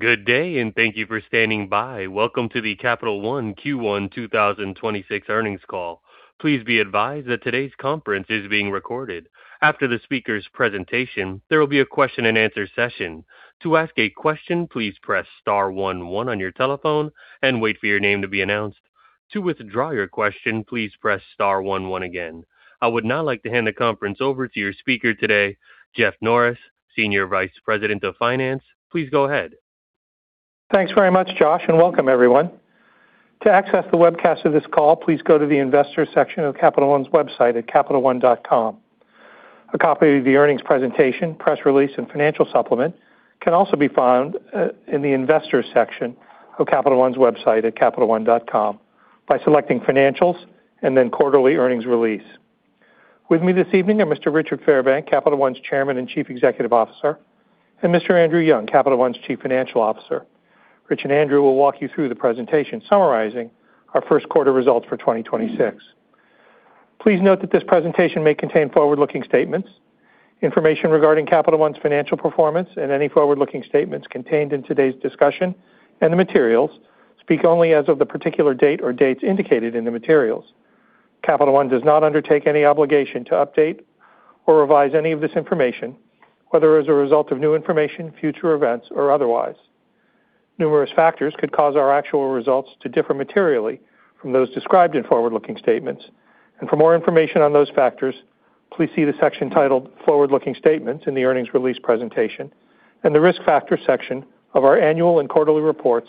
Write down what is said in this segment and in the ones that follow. Good day, and thank you for standing by. Welcome to the Capital One Q1 2026 earnings call. Please be advised that today's conference is being recorded. After the speaker's presentation, there will be a question and answer session. To ask a question, please press star one one on your telephone and wait for your name to be announced. To withdraw your question, please press star one one again. I would now like to hand the conference over to your speaker today, Jeff Norris, Senior Vice President of Finance. Please go ahead. Thanks very much, Josh, and welcome everyone. To access the webcast of this call, please go to the investors section of Capital One's website at capitalone.com. A copy of the earnings presentation, press release, and financial supplement can also be found in the investors section of Capital One's website at capitalone.com by selecting financials and then quarterly earnings release. With me this evening are Mr. Richard Fairbank, Capital One's Chairman and Chief Executive Officer, and Mr. Andrew Young, Capital One's Chief Financial Officer. Rich and Andrew will walk you through the presentation summarizing our first quarter results for 2026. Please note that this presentation may contain forward-looking statements. Information regarding Capital One's financial performance and any forward-looking statements contained in today's discussion and the materials speak only as of the particular date or dates indicated in the materials. Capital One does not undertake any obligation to update or revise any of this information, whether as a result of new information, future events, or otherwise. Numerous factors could cause our actual results to differ materially from those described in forward-looking statements. For more information on those factors, please see the section titled Forward-Looking Statements in the earnings release presentation and the risk factor section of our annual and quarterly reports,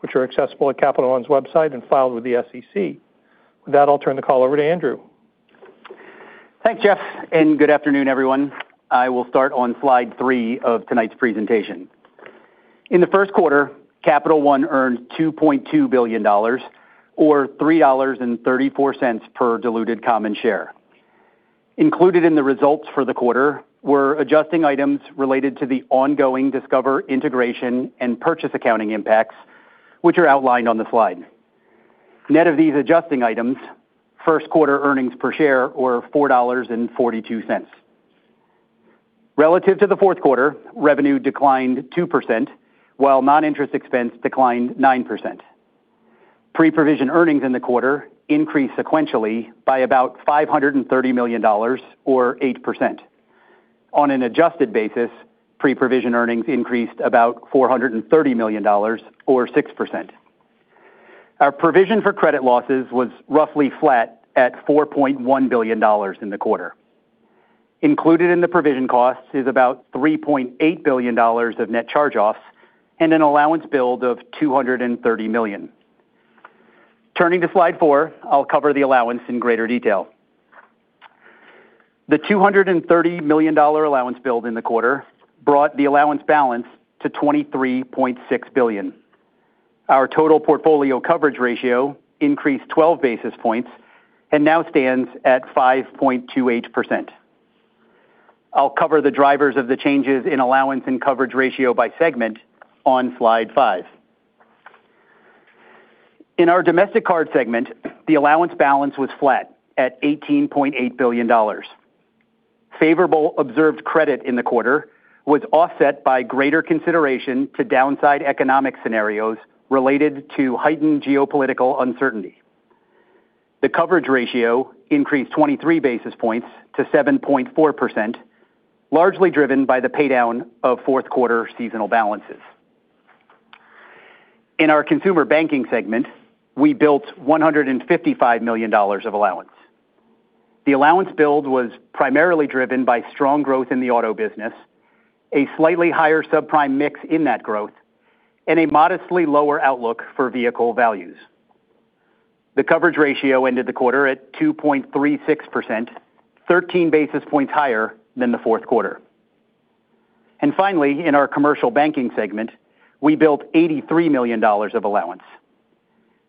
which are accessible at capitalone.com and filed with the SEC. With that, I'll turn the call over to Andrew. Thanks, Jeff, and good afternoon, everyone. I will start on slide three of tonight's presentation. In the first quarter, Capital One earned $2.2 billion, or $3.34 per diluted common share. Included in the results for the quarter were adjusting items related to the ongoing Discover integration and purchase accounting impacts, which are outlined on the slide. Net of these adjusting items, first quarter earnings per share were $4.42. Relative to the fourth quarter, revenue declined 2%, while non-interest expense declined 9%. Pre-provision earnings in the quarter increased sequentially by about $530 million, or 8%. On an adjusted basis, pre-provision earnings increased about $430 million, or 6%. Our provision for credit losses was roughly flat at $4.1 billion in the quarter. Included in the provision costs is about $3.8 billion of net charge-offs and an allowance build of $230 million. Turning to slide four, I'll cover the allowance in greater detail. The $230 million allowance build in the quarter brought the allowance balance to $23.6 billion. Our total portfolio coverage ratio increased 12 basis points and now stands at 5.28%. I'll cover the drivers of the changes in allowance and coverage ratio by segment on slide five. In our domestic card segment, the allowance balance was flat at $18.8 billion. Favorable observed credit in the quarter was offset by greater consideration to downside economic scenarios related to heightened geopolitical uncertainty. The coverage ratio increased 23 basis points to 7.4%, largely driven by the paydown of fourth quarter seasonal balances. In our consumer banking segment, we built $155 million of allowance. The allowance build was primarily driven by strong growth in the auto business, a slightly higher subprime mix in that growth, and a modestly lower outlook for vehicle values. The coverage ratio ended the quarter at 2.36%, 13 basis points higher than the fourth quarter. Finally, in our commercial banking segment, we built $83 million of allowance.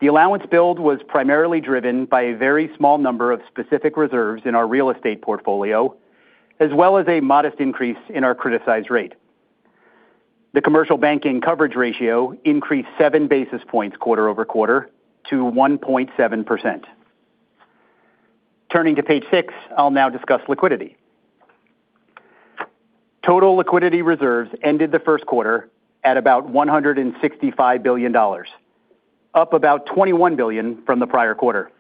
The allowance build was primarily driven by a very small number of specific reserves in our real estate portfolio, as well as a modest increase in our criticized rate. The commercial banking coverage ratio increased seven basis points quarter-over-quarter to 1.7%. Turning to page six, I'll now discuss liquidity. Total liquidity reserves ended the first quarter at about $165 billion, up about $21 billion from the prior quarter.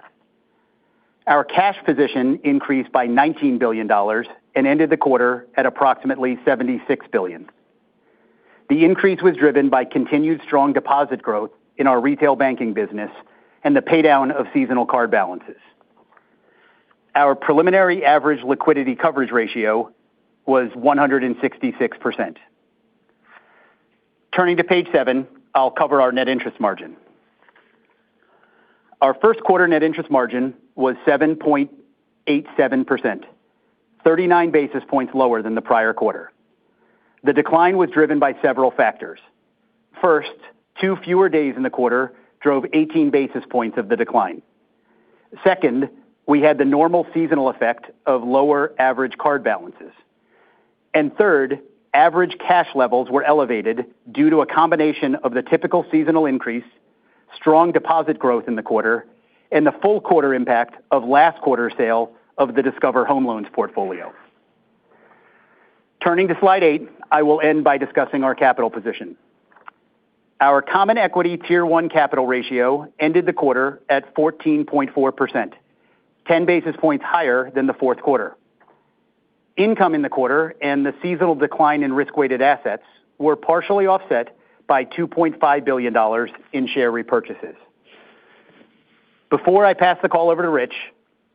Our cash position increased by $19 billion and ended the quarter at approximately $76 billion. The increase was driven by continued strong deposit growth in our retail banking business and the paydown of seasonal card balances. Our preliminary average liquidity coverage ratio was 166%. Turning to page seven, I'll cover our net interest margin. Our first quarter net interest margin was 7.87%, 39 basis points lower than the prior quarter. The decline was driven by several factors. First, two fewer days in the quarter drove 18 basis points of the decline. Second, we had the normal seasonal effect of lower average card balances. Third, average cash levels were elevated due to a combination of the typical seasonal increase, strong deposit growth in the quarter, and the full quarter impact of last quarter's sale of the Discover Home Loans portfolio. Turning to slide eight, I will end by discussing our capital position. Our Common Equity Tier 1 capital ratio ended the quarter at 14.4%, 10 basis points higher than the fourth quarter. Income in the quarter and the seasonal decline in risk-weighted assets were partially offset by $2.5 billion in share repurchases. Before I pass the call over to Rich,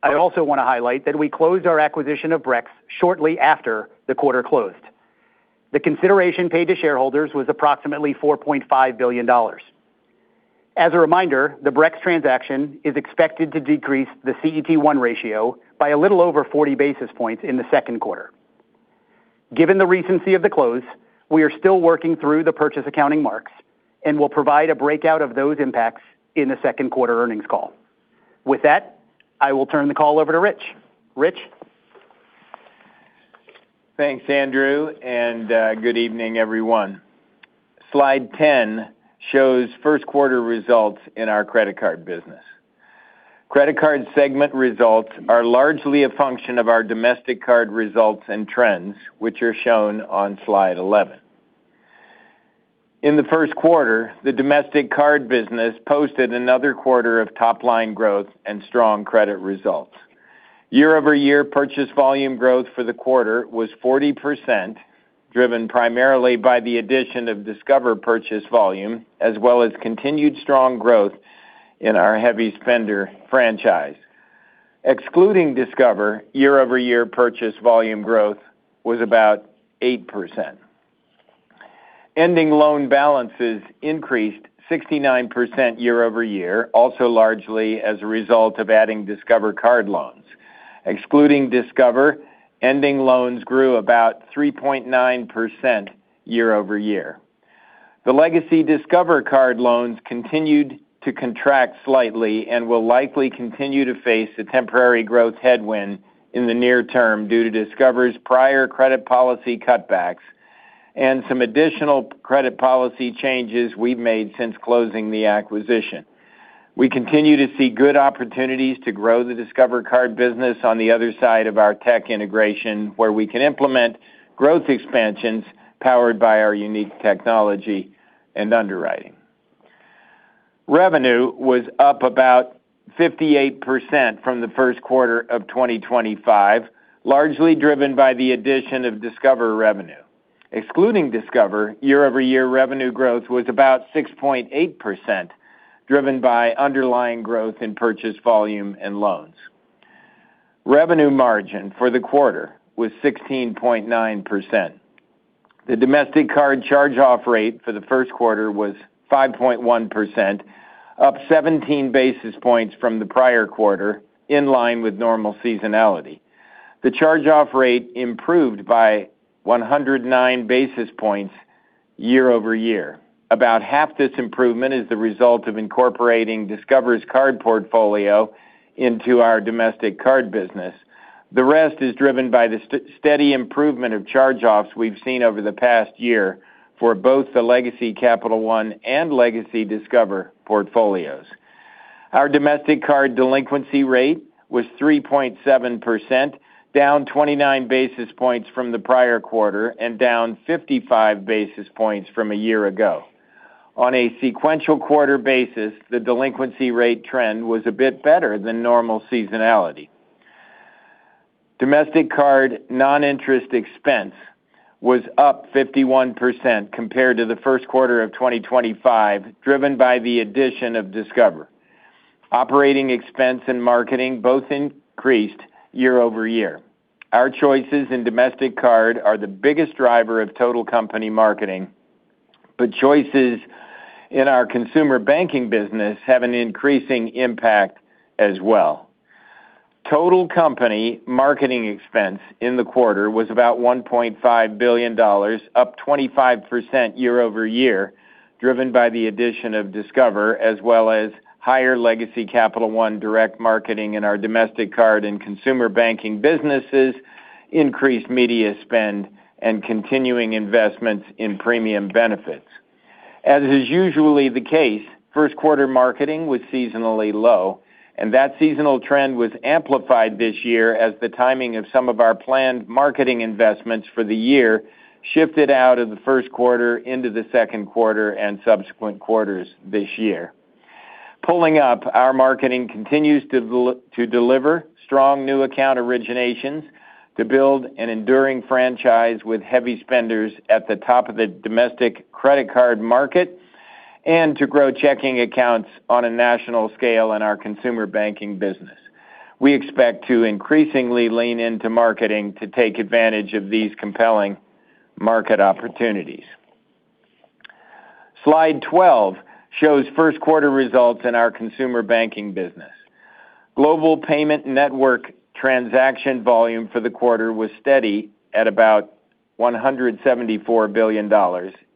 I also want to highlight that we closed our acquisition of Brex shortly after the quarter closed. The consideration paid to shareholders was approximately $4.5 billion. As a reminder, the Brex transaction is expected to decrease the CET1 ratio by a little over 40 basis points in the second quarter. Given the recency of the close, we are still working through the purchase accounting marks, and will provide a breakout of those impacts in the second quarter earnings call. With that, I will turn the call over to Rich. Rich? Thanks, Andrew, and good evening, everyone. Slide 10 shows first quarter results in our credit card business. Credit card segment results are largely a function of our domestic card results and trends, which are shown on slide 11. In the first quarter, the domestic card business posted another quarter of top-line growth and strong credit results. Year-over-year purchase volume growth for the quarter was 40%, driven primarily by the addition of Discover purchase volume, as well as continued strong growth in our heavy spender franchise. Excluding Discover, year-over-year purchase volume growth was about 8%. Ending loan balances increased 69% year-over-year, also largely as a result of adding Discover card loans. Excluding Discover, ending loans grew about 3.9% year-over-year. The legacy Discover Card loans continued to contract slightly and will likely continue to face a temporary growth headwind in the near term due to Discover's prior credit policy cutbacks and some additional credit policy changes we've made since closing the acquisition. We continue to see good opportunities to grow the Discover Card business on the other side of our tech integration, where we can implement growth expansions powered by our unique technology and underwriting. Revenue was up about 58% from the first quarter of 2025, largely driven by the addition of Discover revenue. Excluding Discover, year-over-year revenue growth was about 6.8%, driven by underlying growth in purchase volume and loans. Revenue margin for the quarter was 16.9%. The domestic card charge-off rate for the first quarter was 5.1%, up 17 basis points from the prior quarter, in line with normal seasonality. The charge-off rate improved by 109 basis points year-over-year. About half this improvement is the result of incorporating Discover's card portfolio into our domestic card business. The rest is driven by the steady improvement of charge-offs we've seen over the past year for both the legacy Capital One and legacy Discover portfolios. Our domestic card delinquency rate was 3.7%, down 29 basis points from the prior quarter and down 55 basis points from a year ago. On a sequential quarter basis, the delinquency rate trend was a bit better than normal seasonality. Domestic card non-interest expense was up 51% compared to the first quarter of 2025, driven by the addition of Discover. Operating expense and marketing both increased year-over-year. Our choices in domestic card are the biggest driver of total company marketing, but choices in our consumer banking business have an increasing impact as well. Total company marketing expense in the quarter was about $1.5 billion, up 25% year-over-year, driven by the addition of Discover as well as higher legacy Capital One direct marketing in our domestic card and consumer banking businesses, increased media spend, and continuing investments in premium benefits. As is usually the case, first quarter marketing was seasonally low, and that seasonal trend was amplified this year as the timing of some of our planned marketing investments for the year shifted out of the first quarter into the second quarter and subsequent quarters this year. Pulling up, our marketing continues to deliver strong new account originations to build an enduring franchise with heavy spenders at the top of the domestic credit card market and to grow checking accounts on a national scale in our consumer banking business. We expect to increasingly lean into marketing to take advantage of these compelling market opportunities. Slide 12 shows first quarter results in our consumer banking business. Global payment network transaction volume for the quarter was steady at about $174 billion,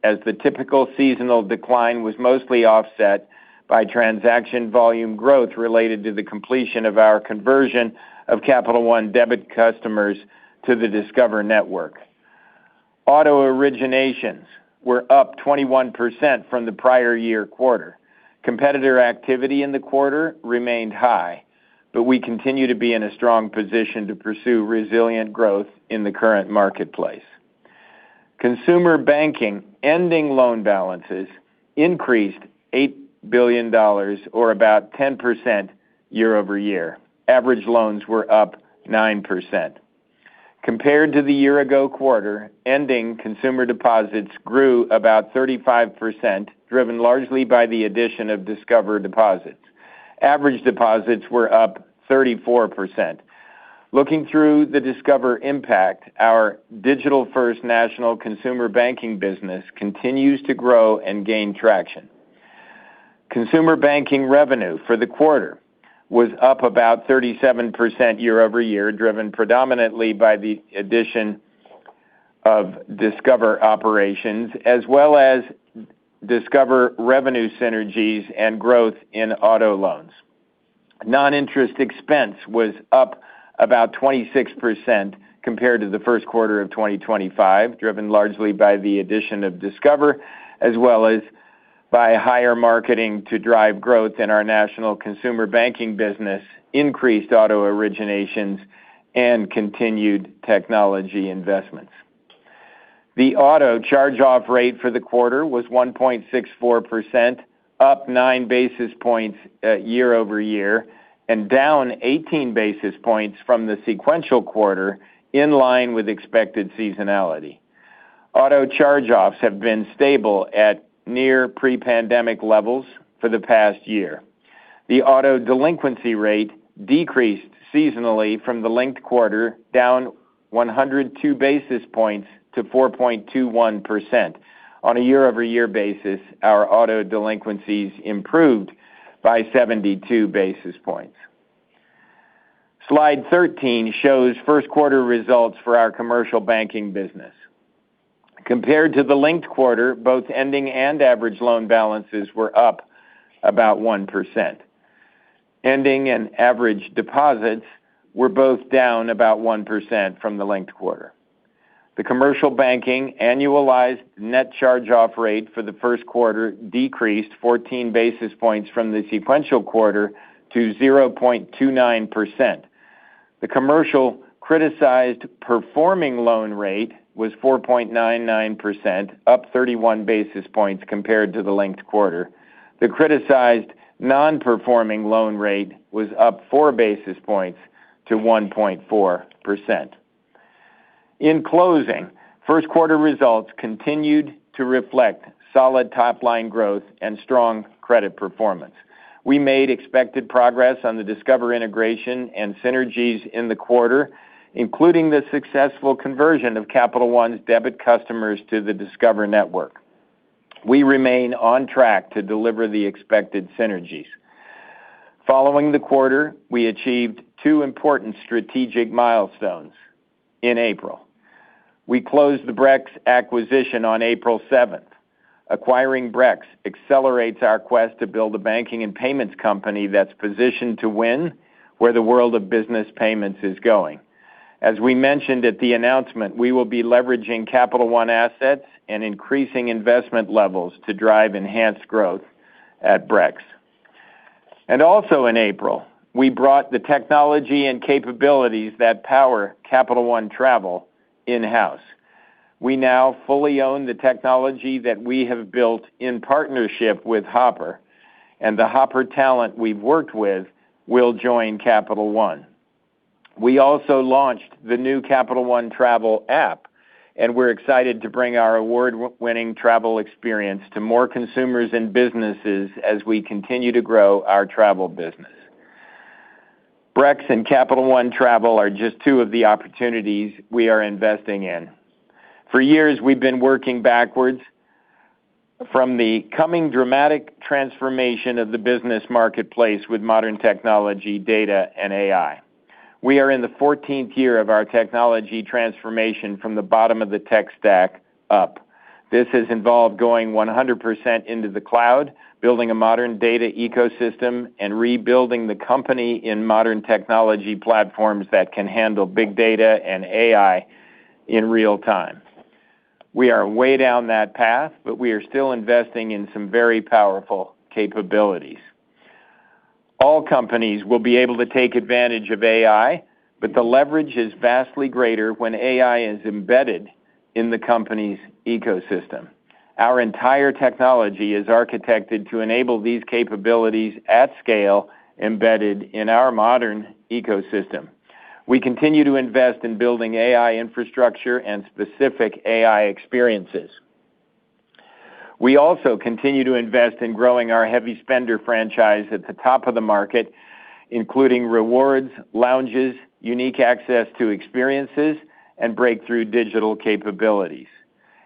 as the typical seasonal decline was mostly offset by transaction volume growth related to the completion of our conversion of Capital One debit customers to the Discover network. Auto originations were up 21% from the prior year quarter. Competitor activity in the quarter remained high, but we continue to be in a strong position to pursue resilient growth in the current marketplace. Consumer banking ending loan balances increased $8 billion, or about 10% year-over-year. Average loans were up 9%. Compared to the year-ago quarter, ending consumer deposits grew about 35%, driven largely by the addition of Discover deposits. Average deposits were up 34%. Looking through the Discover impact, our digital-first national consumer banking business continues to grow and gain traction. Consumer banking revenue for the quarter was up about 37% year-over-year, driven predominantly by the addition of Discover operations, as well as Discover revenue synergies and growth in auto loans. Non-interest expense was up about 26% compared to the first quarter of 2025, driven largely by the addition of Discover, as well as by higher marketing to drive growth in our national consumer banking business, increased auto originations, and continued technology investments. The auto charge-off rate for the quarter was 1.64%, up nine basis points year-over-year, and down 18 basis points from the sequential quarter, in line with expected seasonality. Auto charge-offs have been stable at near pre-pandemic levels for the past year. The auto delinquency rate decreased seasonally from the linked quarter, down 102 basis points to 4.21%. On a year-over-year basis, our auto delinquencies improved by 72 basis points. Slide 13 shows first quarter results for our commercial banking business. Compared to the linked quarter, both ending and average loan balances were up about 1%. Ending and average deposits were both down about 1% from the linked quarter. The commercial banking annualized net charge-off rate for the first quarter decreased 14 basis points from the sequential quarter to 0.29%. The commercial criticized performing loan rate was 4.99%, up 31 basis points compared to the linked quarter. The criticized non-performing loan rate was up four basis points to 1.4%. In closing, first quarter results continued to reflect solid top-line growth and strong credit performance. We made expected progress on the Discover integration and synergies in the quarter, including the successful conversion of Capital One's debit customers to the Discover Network. We remain on track to deliver the expected synergies. Following the quarter, we achieved two important strategic milestones in April. We closed the Brex acquisition on April 7th. Acquiring Brex accelerates our quest to build a banking and payments company that's positioned to win where the world of business payments is going. As we mentioned at the announcement, we will be leveraging Capital One assets and increasing investment levels to drive enhanced growth at Brex. Also in April, we brought the technology and capabilities that power Capital One Travel in-house. We now fully own the technology that we have built in partnership with Hopper, and the Hopper talent we've worked with will join Capital One. We also launched the new Capital One Travel app, and we're excited to bring our award-winning travel experience to more consumers and businesses as we continue to grow our travel business. Brex and Capital One Travel are just two of the opportunities we are investing in. For years, we've been working backwards from the coming dramatic transformation of the business marketplace with modern technology, data, and AI. We are in the 14th year of our technology transformation from the bottom of the tech stack up. This has involved going 100% into the cloud, building a modern data ecosystem, and rebuilding the company in modern technology platforms that can handle big data and AI in real time. We are way down that path, but we are still investing in some very powerful capabilities. All companies will be able to take advantage of AI, but the leverage is vastly greater when AI is embedded in the company's ecosystem. Our entire technology is architected to enable these capabilities at scale embedded in our modern ecosystem. We continue to invest in building AI infrastructure and specific AI experiences. We also continue to invest in growing our heavy spender franchise at the top of the market, including rewards, lounges, unique access to experiences, and breakthrough digital capabilities.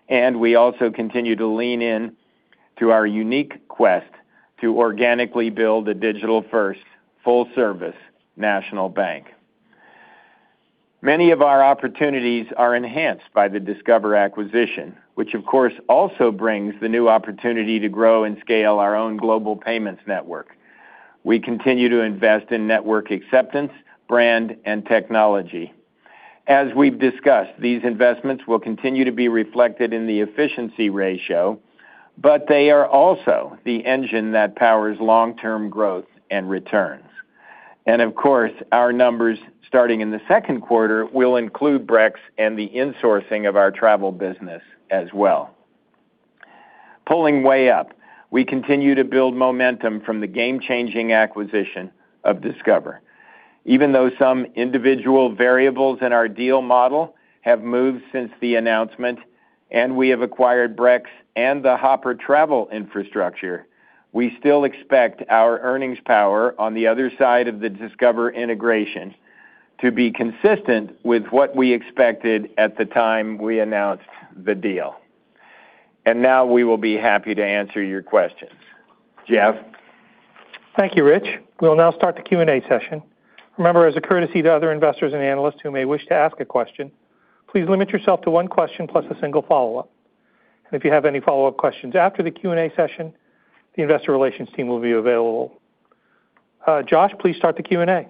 We also continue to lean into our unique quest to organically build a digital-first, full-service national bank. Many of our opportunities are enhanced by the Discover acquisition, which of course, also brings the new opportunity to grow and scale our own global payments network. We continue to invest in network acceptance, brand, and technology. As we've discussed, these investments will continue to be reflected in the efficiency ratio, but they are also the engine that powers long-term growth and returns. Of course, our numbers starting in the second quarter will include Brex and the insourcing of our travel business as well. Pulling way up, we continue to build momentum from the game-changing acquisition of Discover. Even though some individual variables in our deal model have moved since the announcement, and we have acquired Brex and the Hopper travel infrastructure, we still expect our earnings power on the other side of the Discover integration to be consistent with what we expected at the time we announced the deal. Now we will be happy to answer your questions. Jeff? Thank you, Rich. We'll now start the Q&A session. Remember, as a courtesy to other investors and analysts who may wish to ask a question, please limit yourself to one question plus a single follow-up. If you have any follow-up questions after the Q&A session, the investor relations team will be available. Josh, please start the Q&A.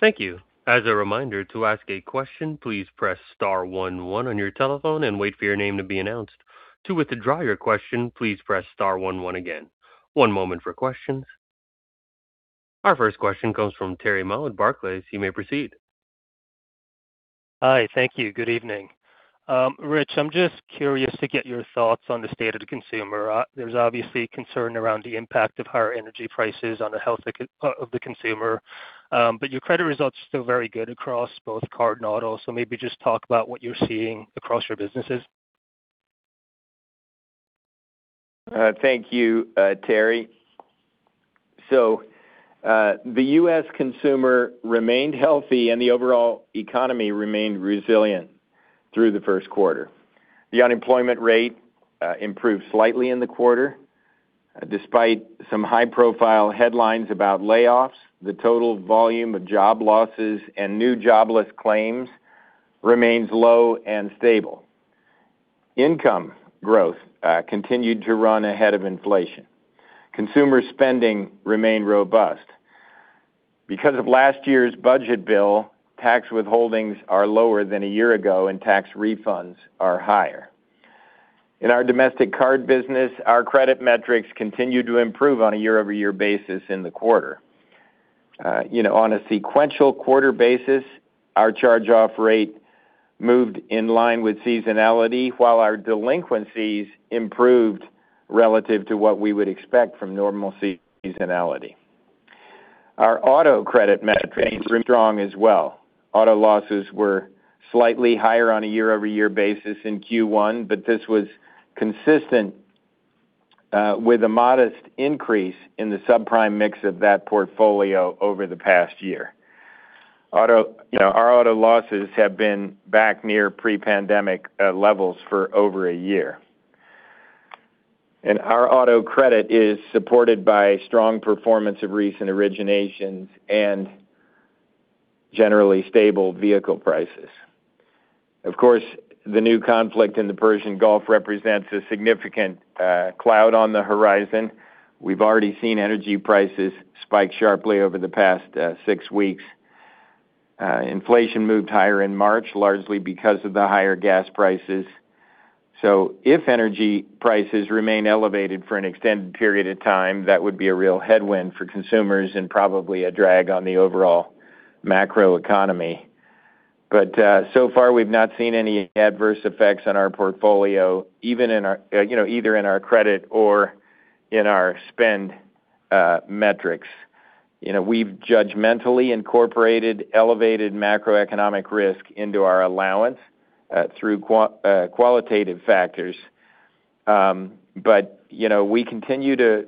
Thank you. As a reminder, to ask a question, please press star one one on your telephone and wait for your name to be announced. To withdraw your question, please press star one one again. One moment for questions. Our first question comes from Terry Ma with Barclays. You may proceed. Hi. Thank you. Good evening. Rich, I'm just curious to get your thoughts on the state of the consumer. There's obviously concern around the impact of higher energy prices on the health of the consumer. But your credit results are still very good across both card and auto. Maybe just talk about what you're seeing across your businesses. Thank you, Terry. The U.S. consumer remained healthy, and the overall economy remained resilient through the first quarter. The unemployment rate improved slightly in the quarter. Despite some high-profile headlines about layoffs, the total volume of job losses and new jobless claims remains low and stable. Income growth continued to run ahead of inflation. Consumer spending remained robust. Because of last year's budget bill, tax withholdings are lower than a year ago and tax refunds are higher. In our domestic card business, our credit metrics continued to improve on a year-over-year basis in the quarter. On a sequential quarter basis, our charge-off rate moved in line with seasonality, while our delinquencies improved relative to what we would expect from normal seasonality. Our auto credit metrics remained strong as well. Auto losses were slightly higher on a year-over-year basis in Q1, but this was consistent with a modest increase in the subprime mix of that portfolio over the past year. Our auto losses have been back near pre-pandemic levels for over a year. Our auto credit is supported by strong performance of recent originations and generally stable vehicle prices. Of course, the new conflict in the Persian Gulf represents a significant cloud on the horizon. We've already seen energy prices spike sharply over the past six weeks. Inflation moved higher in March, largely because of the higher gas prices. If energy prices remain elevated for an extended period of time, that would be a real headwind for consumers and probably a drag on the overall macro economy. So far, we've not seen any adverse effects on our portfolio, either in our credit or in our spend metrics. We've judgmentally incorporated elevated macroeconomic risk into our allowance through qualitative factors. We continue to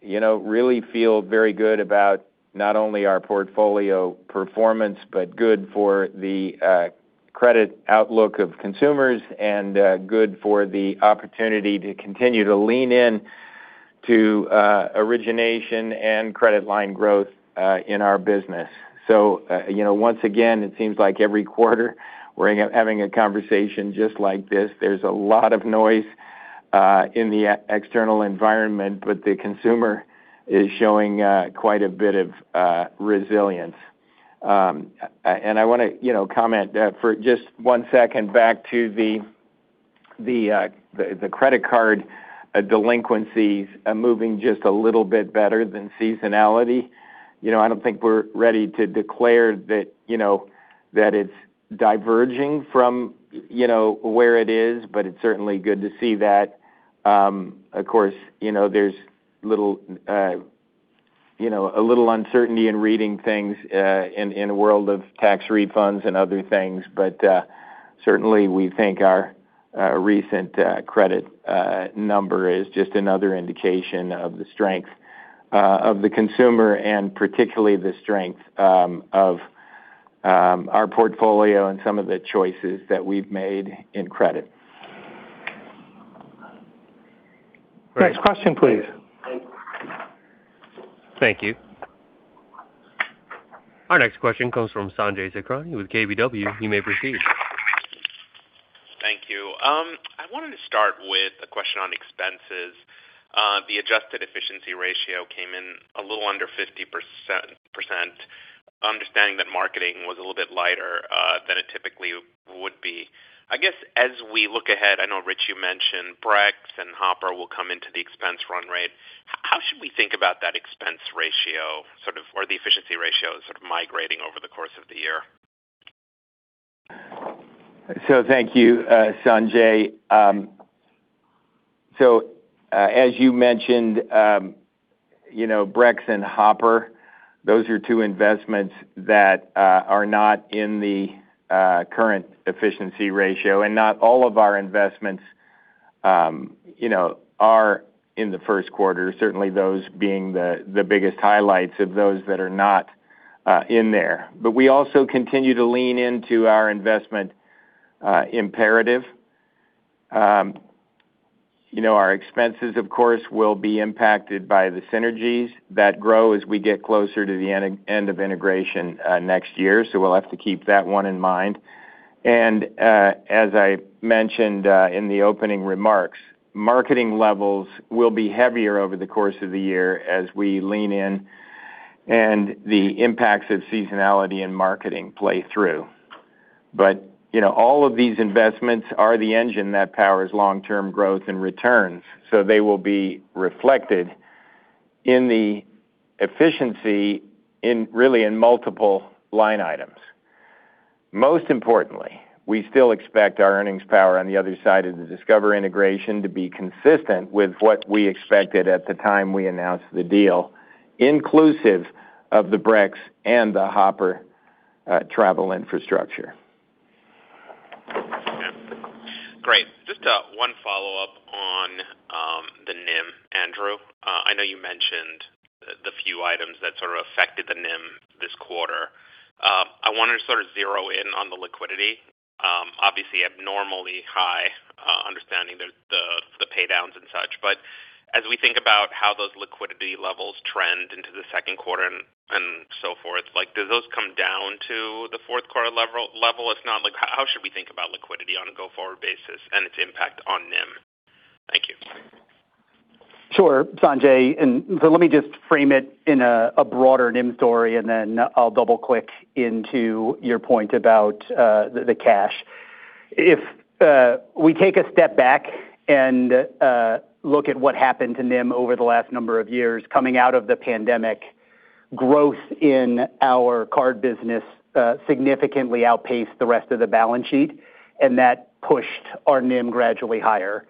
really feel very good about not only our portfolio performance, but good for the credit outlook of consumers and good for the opportunity to continue to lean in to origination and credit line growth in our business. Once again, it seems like every quarter we're having a conversation just like this. There's a lot of noise in the external environment, but the consumer is showing quite a bit of resilience. I want to comment for just one second back to the credit card delinquencies moving just a little bit better than seasonality. I don't think we're ready to declare that it's diverging from where it is, but it's certainly good to see that. Of course, there's a little uncertainty in reading things in a world of tax refunds and other things. Certainly, we think our recent credit number is just another indication of the strength of the consumer and particularly the strength of our portfolio and some of the choices that we've made in credit. Next question, please. Thank you. Our next question comes from Sanjay Sakhrani with KBW. You may proceed. Thank you. I wanted to start with a question on expenses. The adjusted efficiency ratio came in a little under 50%, understanding that marketing was a little bit lighter than it typically would be. I guess as we look ahead, I know Rich, you mentioned Brex and Hopper will come into the expense run rate. How should we think about that expense ratio or the efficiency ratio sort of migrating over the course of the year? Thank you, Sanjay. As you mentioned, Brex and Hopper, those are two investments that are not in the current efficiency ratio, and not all of our investments are in the first quarter, certainly those being the biggest highlights of those that are not in there. We also continue to lean into our investment imperative. Our expenses of course will be impacted by the synergies that grow as we get closer to the end of integration next year. We'll have to keep that one in mind. As I mentioned in the opening remarks, marketing levels will be heavier over the course of the year as we lean in, and the impacts of seasonality and marketing play through. All of these investments are the engine that powers long-term growth and returns. They will be reflected in the efficiency in really in multiple line items. Most importantly, we still expect our earnings power on the other side of the Discover integration to be consistent with what we expected at the time we announced the deal, inclusive of the Brex and the Hopper travel infrastructure. Okay, great. Just one follow-up on the NIM, Andrew. I know you mentioned the few items that sort of affected the NIM this quarter. I wanted to sort of zero in on the liquidity. Obviously abnormally high understanding the pay downs and such. But as we think about how those liquidity levels trend into the second quarter and so forth, like do those come down to the fourth quarter level? If not, how should we think about liquidity on a go-forward basis and its impact on NIM? Thank you. Sure, Sanjay. Let me just frame it in a broader NIM story and then I'll double-click into your point about the cash. If we take a step back and look at what happened to NIM over the last number of years coming out of the pandemic, growth in our card business significantly outpaced the rest of the balance sheet, and that pushed our NIM gradually higher.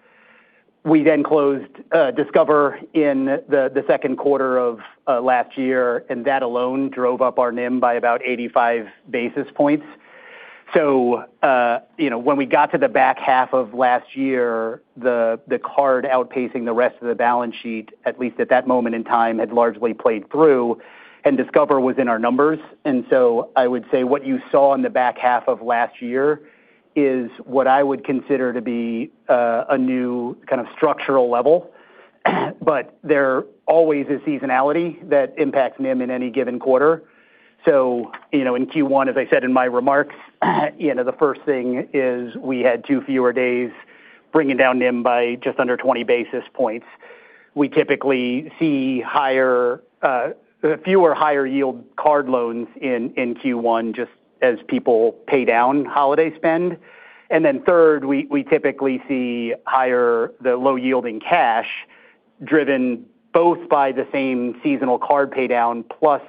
We then closed Discover in the second quarter of last year, and that alone drove up our NIM by about 85 basis points. When we got to the back half of last year, the card outpacing the rest of the balance sheet, at least at that moment in time, had largely played through and Discover was in our numbers. I would say what you saw in the back half of last year is what I would consider to be a new kind of structural level but there always is seasonality that impacts NIM in any given quarter. In Q1, as I said in my remarks, the first thing is we had two fewer days bringing down NIM by just under 20 basis points. We typically see fewer higher yield card loans in Q1 just as people pay down holiday spend. Then third, we typically see higher, the low yielding cash driven both by the same seasonal card pay down, plus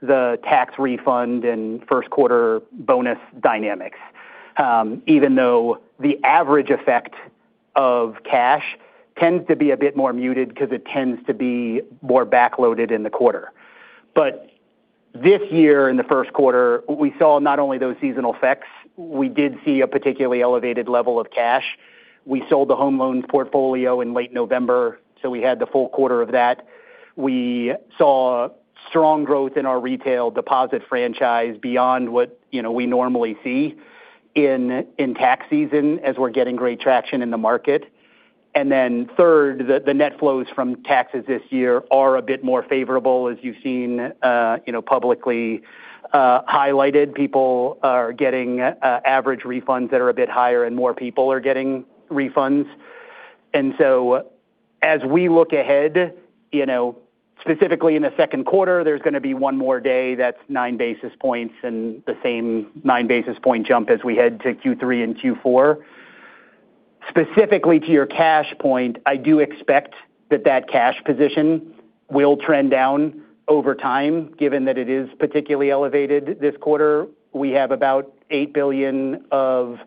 the tax refund and first quarter bonus dynamics. Even though the average effect of cash tends to be a bit more muted because it tends to be more back-loaded in the quarter. This year in the first quarter, we saw not only those seasonal effects. We did see a particularly elevated level of cash. We sold the home loans portfolio in late November, so we had the full quarter of that. We saw strong growth in our retail deposit franchise beyond what we normally see in tax season as we're getting great traction in the market. Third, the net flows from taxes this year are a bit more favorable as you've seen publicly highlighted. People are getting average refunds that are a bit higher and more people are getting refunds. As we look ahead, specifically in the second quarter, there's going to be one more day that's nine basis points and the same nine basis point jump as we head to Q3 and Q4. Specifically to your cash point, I do expect that that cash position will trend down over time, given that it is particularly elevated this quarter. We have about $8 billion of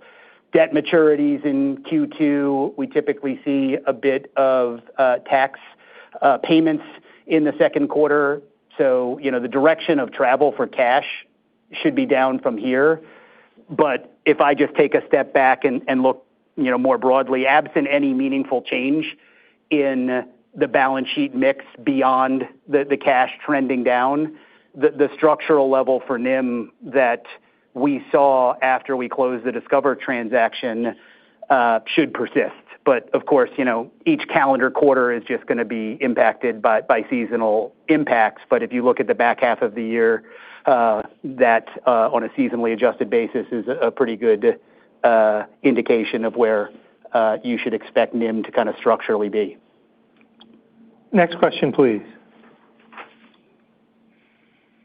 debt maturities in Q2. We typically see a bit of tax payments in the second quarter. The direction of travel for cash should be down from here. If I just take a step back and look more broadly, absent any meaningful change in the balance sheet mix beyond the cash trending down, the structural level for NIM that we saw after we closed the Discover transaction should persist. Of course, each calendar quarter is just going to be impacted by seasonal impacts. If you look at the back half of the year, that, on a seasonally adjusted basis, is a pretty good indication of where you should expect NIM to structurally be. Next question, please.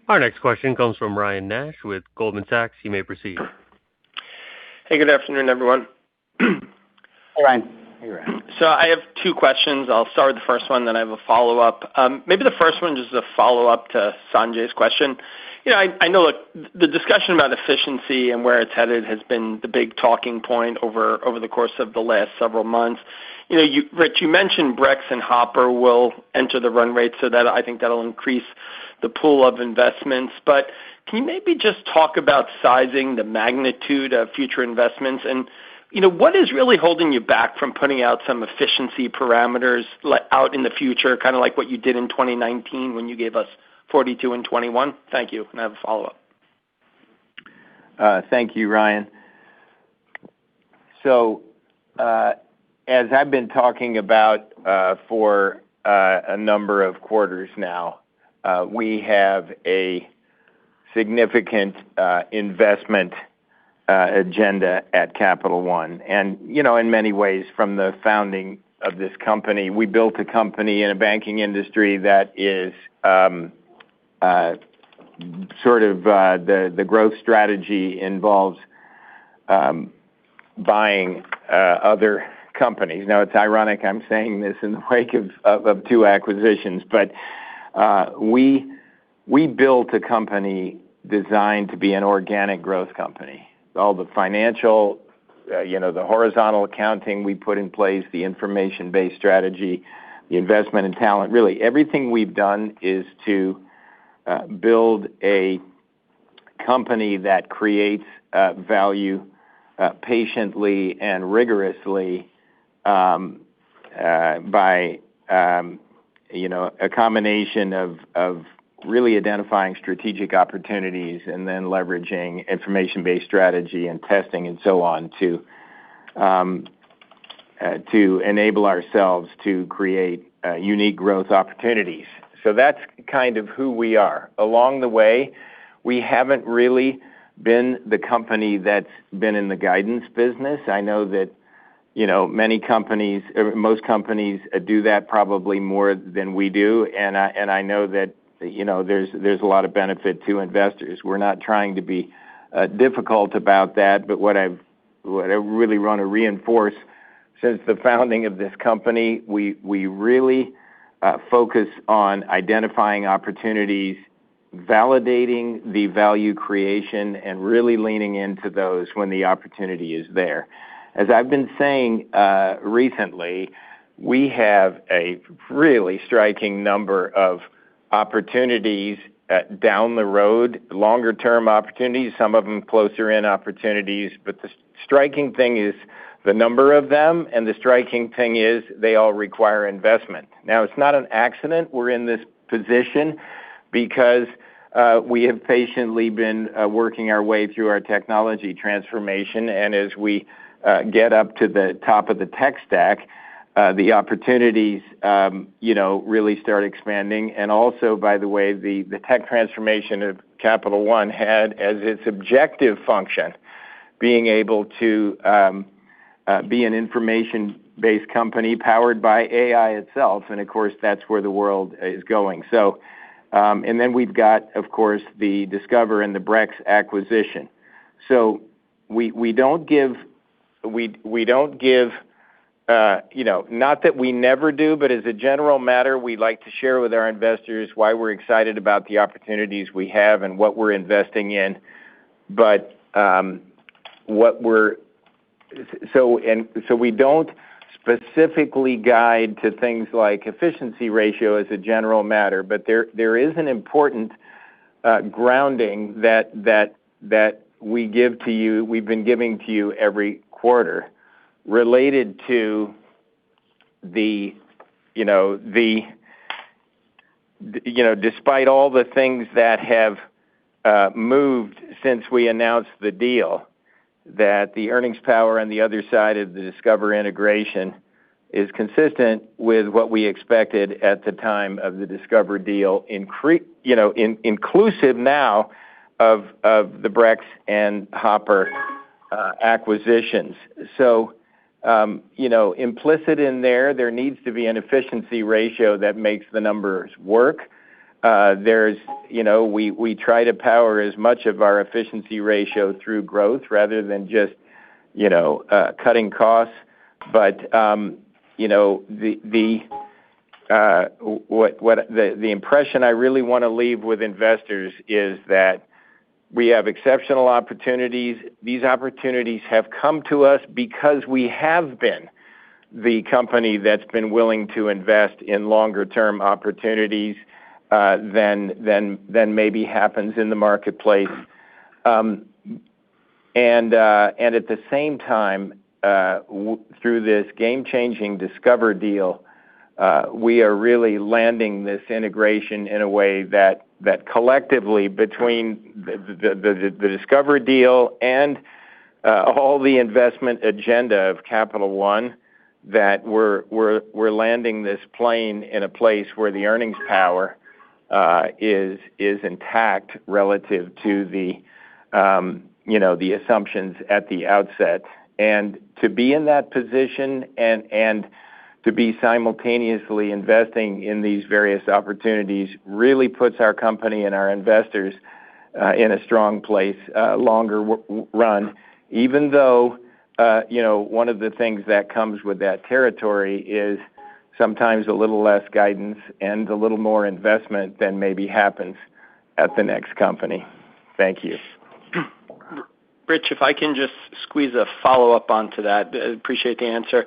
Our next question comes from Ryan Nash with Goldman Sachs. You may proceed. Hey, good afternoon, everyone. Hey, Ryan. Hey, Ryan. I have two questions. I'll start with the first one, then I have a follow-up. Maybe the first one just as a follow-up to Sanjay's question. I know the discussion about efficiency and where it's headed has been the big talking point over the course of the last several months. Rich, you mentioned Brex and Hopper will enter the run rate, so I think that'll increase the pool of investments. Can you maybe just talk about sizing the magnitude of future investments? What is really holding you back from putting out some efficiency parameters out in the future, kind of like what you did in 2019 when you gave us 42 and 21? Thank you. I have a follow-up. Thank you, Ryan. As I've been talking about for a number of quarters now, we have a significant investment agenda at Capital One. In many ways, from the founding of this company, we built a company in a banking industry that is sort of the growth strategy involves buying other companies. Now, it's ironic I'm saying this in the wake of two acquisitions. We built a company designed to be an organic growth company. All the financial, the horizontal accounting we put in place, the information-based strategy, the investment in talent. Really, everything we've done is to build a company that creates value patiently and rigorously by a combination of really identifying strategic opportunities and then leveraging information-based strategy and testing and so on to enable ourselves to create unique growth opportunities. That's kind of who we are. Along the way, we haven't really been the company that's been in the guidance business. I know that most companies do that probably more than we do, and I know that there's a lot of benefit to investors. We're not trying to be difficult about that. What I really want to reinforce, since the founding of this company, we really focus on identifying opportunities, validating the value creation, and really leaning into those when the opportunity is there. As I've been saying recently, we have a really striking number of opportunities down the road, longer-term opportunities, some of them closer-in opportunities. The striking thing is the number of them, and the striking thing is they all require investment. Now, it's not an accident we're in this position because we have patiently been working our way through our technology transformation. As we get up to the top of the tech stack, the opportunities really start expanding. Also, by the way, the tech transformation of Capital One had as its objective function, being able to be an information-based company powered by AI itself. Of course, that's where the world is going. Then we've got, of course, the Discover and the Brex acquisition. Not that we never do, but as a general matter, we like to share with our investors why we're excited about the opportunities we have and what we're investing in. We don't specifically guide to things like efficiency ratio as a general matter. There is an important grounding that we give to you, we've been giving to you every quarter related to despite all the things that have moved since we announced the deal, that the earnings power on the other side of the Discover integration is consistent with what we expected at the time of the Discover deal inclusive now of the Brex and Hopper acquisitions. Implicit in there needs to be an efficiency ratio that makes the numbers work. We try to power as much of our efficiency ratio through growth rather than just cutting costs. The impression I really want to leave with investors is that we have exceptional opportunities. These opportunities have come to us because we have been the company that's been willing to invest in longer-term opportunities than maybe happens in the marketplace. At the same time, through this game-changing Discover deal, we are really landing this integration in a way that collectively, between the Discover deal and all the investment agenda of Capital One, that we're landing this plane in a place where the earnings power is intact relative to the assumptions at the outset. To be in that position and to be simultaneously investing in these various opportunities really puts our company and our investors in a strong place longer run, even though one of the things that comes with that territory is sometimes a little less guidance and a little more investment than maybe happens at the next company. Thank you. Rich, if I can just squeeze a follow-up onto that. I appreciate the answer.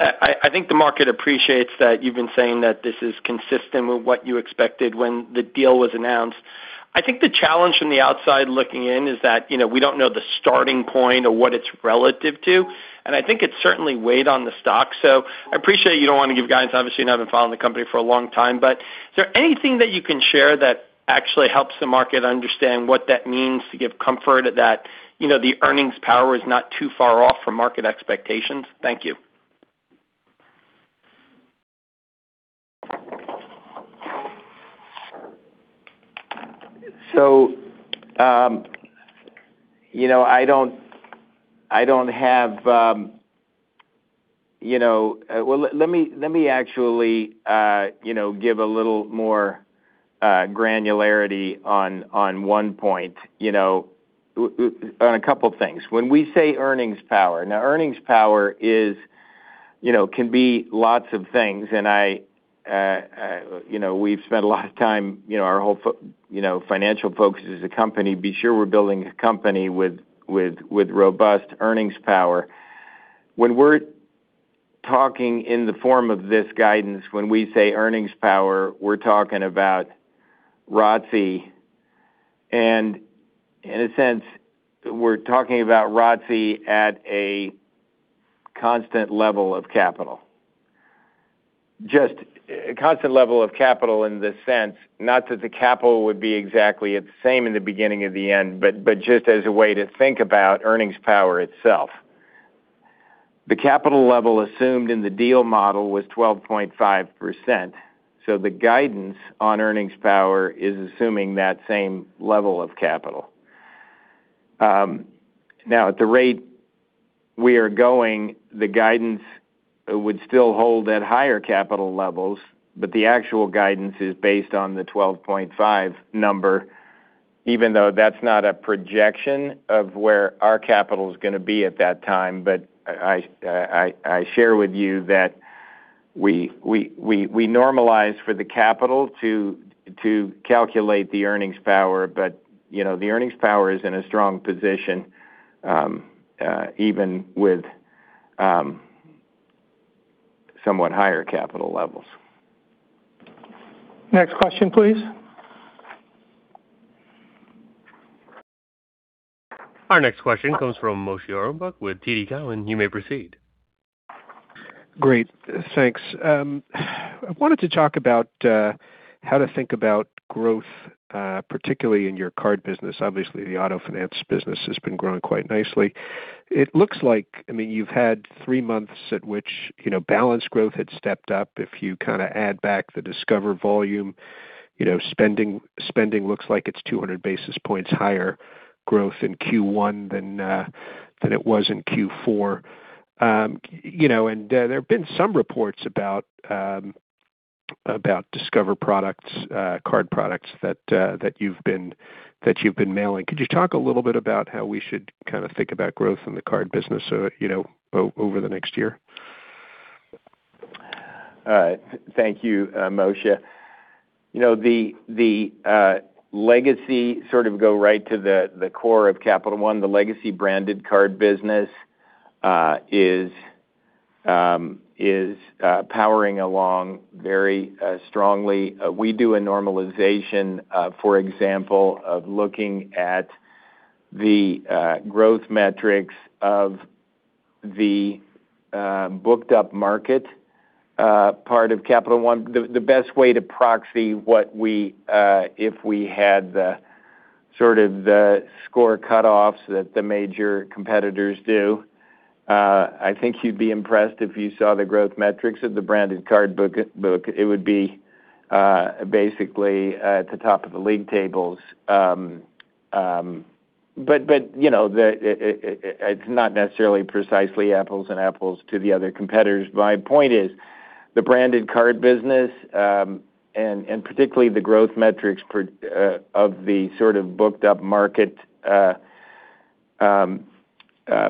I think the market appreciates that you've been saying that this is consistent with what you expected when the deal was announced. I think the challenge from the outside looking in is that, we don't know the starting point or what it's relative to, and I think it's certainly weighed on the stock. I appreciate you don't want to give guidance, obviously, you haven't followed the company for a long time, but is there anything that you can share that actually helps the market understand what that means to give comfort that the earnings power is not too far off from market expectations? Thank you. Let me actually give a little more granularity on one point. On a couple of things. When we say earnings power, now earnings power can be lots of things, and we've spent a lot of time, our whole financial focus as a company, be sure we're building a company with robust earnings power. When we're talking in the form of this guidance, when we say earnings power, we're talking about ROTCE, and in a sense, we're talking about ROTCE at a constant level of capital. Just a constant level of capital in the sense, not that the capital would be exactly the same in the beginning and the end, but just as a way to think about earnings power itself. The capital level assumed in the deal model was 12.5%, so the guidance on earnings power is assuming that same level of capital. Now, at the rate we are going, the guidance would still hold at higher capital levels, but the actual guidance is based on the 12.5% number, even though that's not a projection of where our capital is going to be at that time. I share with you that we normalize for the capital to calculate the earnings power. The earnings power is in a strong position even with somewhat higher capital levels. Next question, please. Our next question comes from Moshe Orenbuch with TD Cowen. You may proceed. Great. Thanks. I wanted to talk about how to think about growth, particularly in your card business. Obviously, the auto finance business has been growing quite nicely. It looks like you've had three months at which balance growth had stepped up. If you add back the Discover volume, spending looks like it's 200 basis points higher growth in Q1 than it was in Q4. There have been some reports about Discover Card products that you've been mailing. Could you talk a little bit about how we should think about growth in the card business over the next year? Thank you, Moshe. The legacy, go right to the core of Capital One, the legacy branded card business is powering along very strongly. We do a normalization, for example, of looking at the growth metrics of the booked up market part of Capital One. The best way to proxy if we had the score cutoffs that the major competitors do, I think you'd be impressed if you saw the growth metrics of the branded card book. It would be basically at the top of the league tables. It's not necessarily precisely apples and apples to the other competitors. My point is, the branded card business, and particularly the growth metrics of the booked up market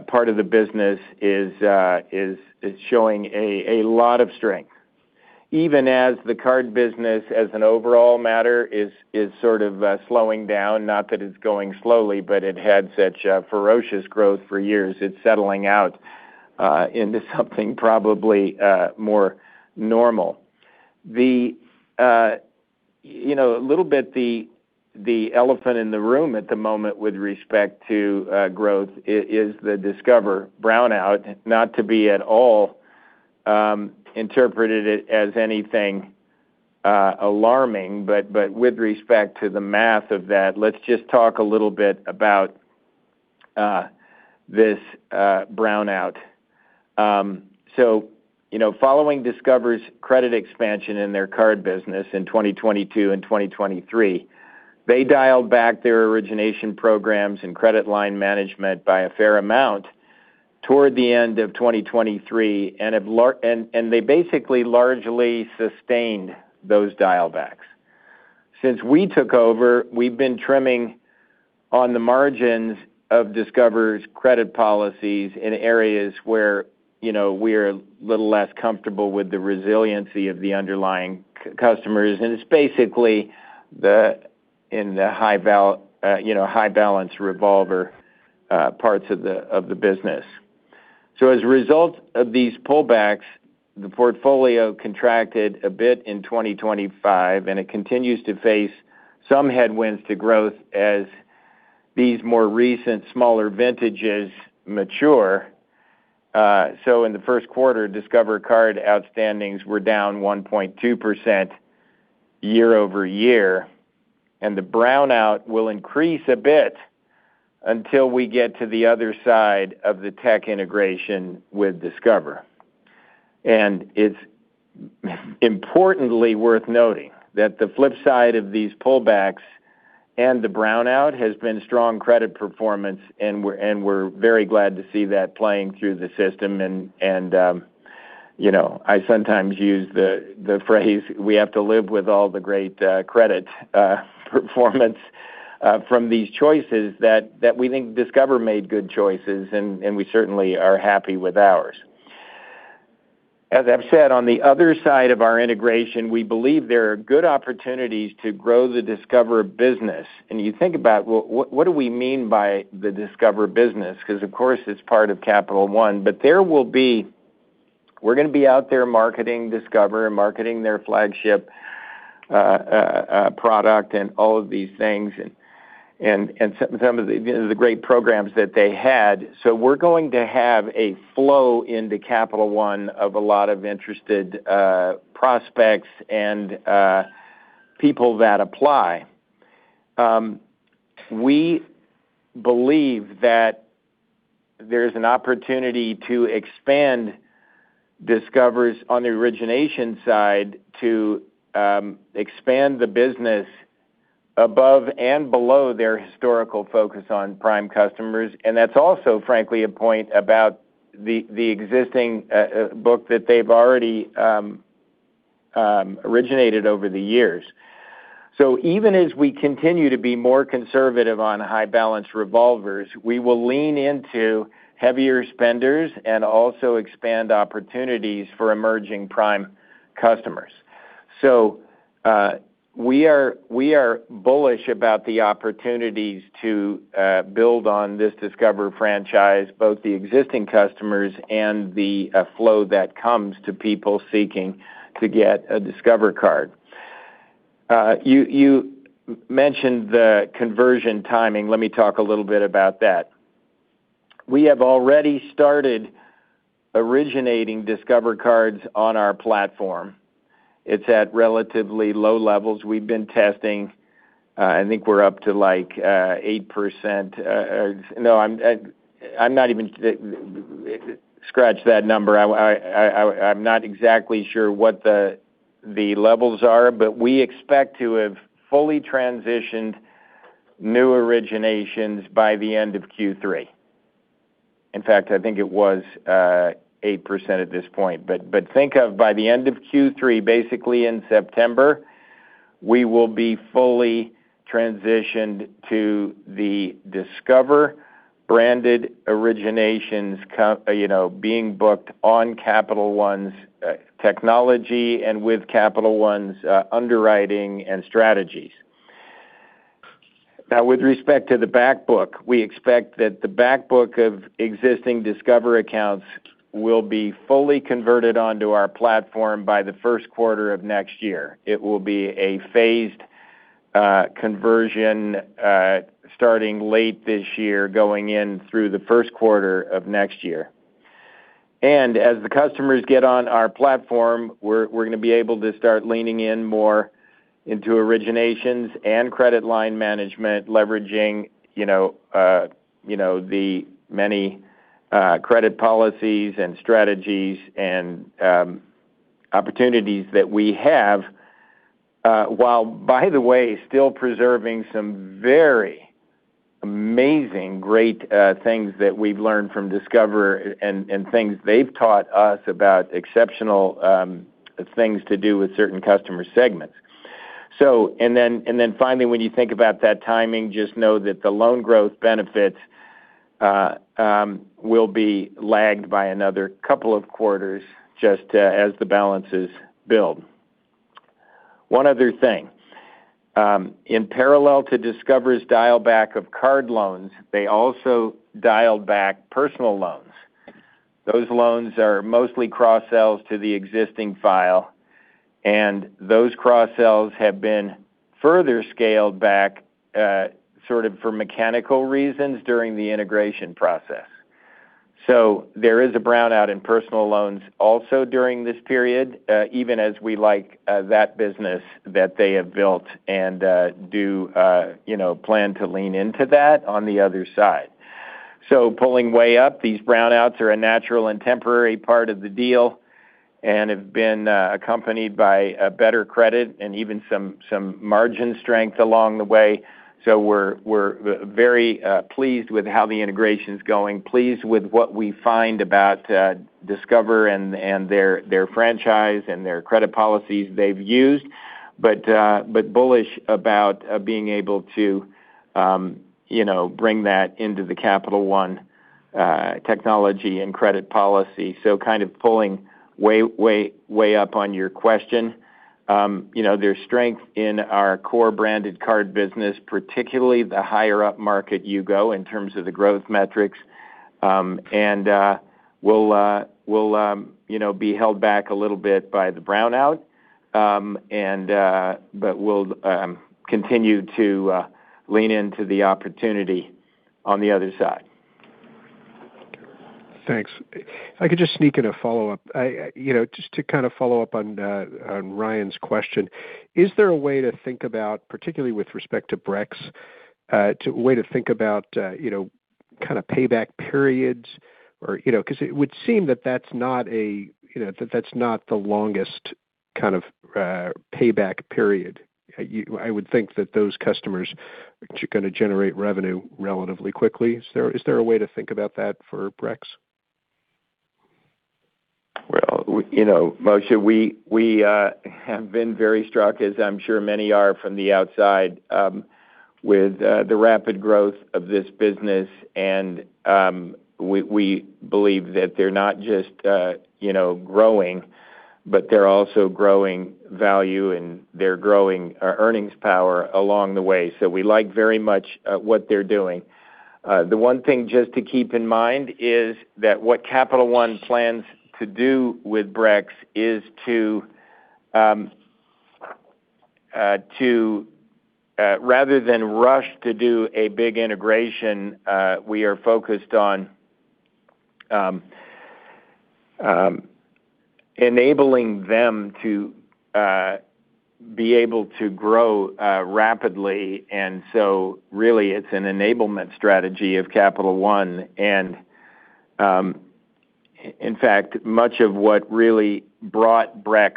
part of the business is showing a lot of strength. Even as the card business as an overall matter is slowing down. Not that it's going slowly, but it had such a ferocious growth for years. It's settling out into something probably more normal. A little bit the elephant in the room at the moment with respect to growth is the Discover brownout, not to be at all interpreted as anything alarming, but with respect to the math of that, let's just talk a little bit about this brownout. Following Discover's credit expansion in their card business in 2022 and 2023, they dialed back their origination programs and credit line management by a fair amount toward the end of 2023, and they basically largely sustained those dial-backs. Since we took over, we've been trimming on the margins of Discover's credit policies in areas where we're a little less comfortable with the resiliency of the underlying customers, and it's basically in the high balance revolver parts of the business. As a result of these pullbacks, the portfolio contracted a bit in 2025, and it continues to face some headwinds to growth as these more recent, smaller vintages mature. In the first quarter, Discover Card outstandings were down 1.2% year-over-year, and the brownout will increase a bit until we get to the other side of the tech integration with Discover. It's importantly worth noting that the flip side of these pullbacks and the brownout has been strong credit performance, and we're very glad to see that playing through the system. I sometimes use the phrase, we have to live with all the great credit performance from these choices that we think Discover made good choices, and we certainly are happy with ours. As I've said, on the other side of our integration, we believe there are good opportunities to grow the Discover business. You think about, well, what do we mean by the Discover business? Because, of course, it's part of Capital One. We're going to be out there marketing Discover and marketing their flagship product and all of these things and some of the great programs that they had. We're going to have a flow into Capital One of a lot of interested prospects and people that apply. We believe that there's an opportunity to expand Discover's on the origination side to expand the business above and below their historical focus on prime customers. That's also, frankly, a point about the existing book that they've already originated over the years. Even as we continue to be more conservative on high balance revolvers, we will lean into heavier spenders and also expand opportunities for emerging prime customers. We are bullish about the opportunities to build on this Discover franchise, both the existing customers and the flow that comes to people seeking to get a Discover Card. You mentioned the conversion timing. Let me talk a little bit about that. We have already started originating Discover Cards on our platform. It's at relatively low levels. We've been testing. I'm not exactly sure what the levels are, but we expect to have fully transitioned new originations by the end of Q3. In fact, I think it was 8% at this point. Think of it by the end of Q3, basically in September, we will be fully transitioned to the Discover-branded originations being booked on Capital One's technology and with Capital One's underwriting and strategies. Now, with respect to the back book, we expect that the back book of existing Discover accounts will be fully converted onto our platform by the first quarter of next year. It will be a phased conversion starting late this year, going in through the first quarter of next year. As the customers get on our platform, we're going to be able to start leaning in more into originations and credit line management, leveraging the many credit policies and strategies and opportunities that we have, while, by the way, still preserving some very amazing, great things that we've learned from Discover and things they've taught us about exceptional things to do with certain customer segments. Then finally, when you think about that timing, just know that the loan growth benefits will be lagged by another couple of quarters just as the balances build. One other thing. In parallel to Discover's dial back of card loans, they also dialed back personal loans. Those loans are mostly cross-sells to the existing file, and those cross-sells have been further scaled back sort of for mechanical reasons during the integration process. There is a brownout in personal loans also during this period, even as we like that business that they have built and do plan to lean into that on the other side. Pulling way up, these brownouts are a natural and temporary part of the deal and have been accompanied by a better credit and even some margin strength along the way. We're very pleased with how the integration's going, pleased with what we find about Discover and their franchise and their credit policies they've used, but bullish about being able to bring that into the Capital One technology and credit policy. Kind of pulling way up on your question. There's strength in our core branded card business, particularly the higher up market you go in terms of the growth metrics. We'll be held back a little bit by the brownout, but we'll continue to lean into the opportunity on the other side. Thanks. If I could just sneak in a follow-up. Just to kind of follow up on Ryan's question, is there a way to think about, particularly with respect to Brex, a way to think about kind of payback periods? Because it would seem that that's not the longest kind of payback period. I would think that those customers are going to generate revenue relatively quickly. Is there a way to think about that for Brex? Well, Moshe, we have been very struck, as I'm sure many are from the outside, with the rapid growth of this business, and we believe that they're not just growing, but they're also growing value, and they're growing earnings power along the way. We like very much what they're doing. The one thing just to keep in mind is that what Capital One plans to do with Brex is to, rather than rush to do a big integration, we are focused on enabling them to be able to grow rapidly, and so really it's an enablement strategy of Capital One. In fact, much of what really brought Brex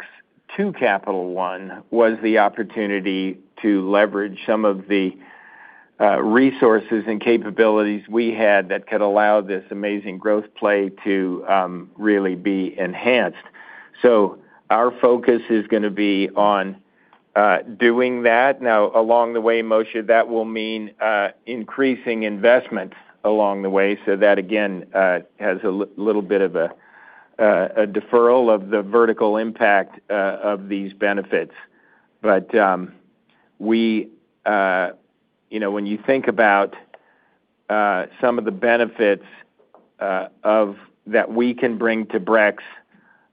to Capital One was the opportunity to leverage some of the resources and capabilities we had that could allow this amazing growth play to really be enhanced. Our focus is going to be on doing that. Now along the way, Moshe, that will mean increasing investments along the way. That again, has a little bit of a deferral of the vertical impact of these benefits. When you think about some of the benefits that we can bring to Brex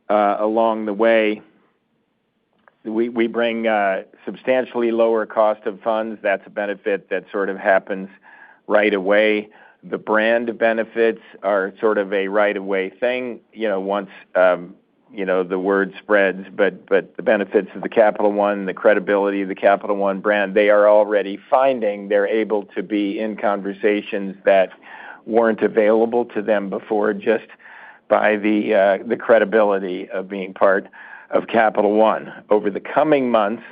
along the way, we bring substantially lower cost of funds. That's a benefit that sort of happens right away. The brand benefits are sort of a right away thing, once the word spreads. The benefits of the Capital One, the credibility of the Capital One brand, they are already finding they're able to be in conversations that weren't available to them before, just by the credibility of being part of Capital One. Over the coming months,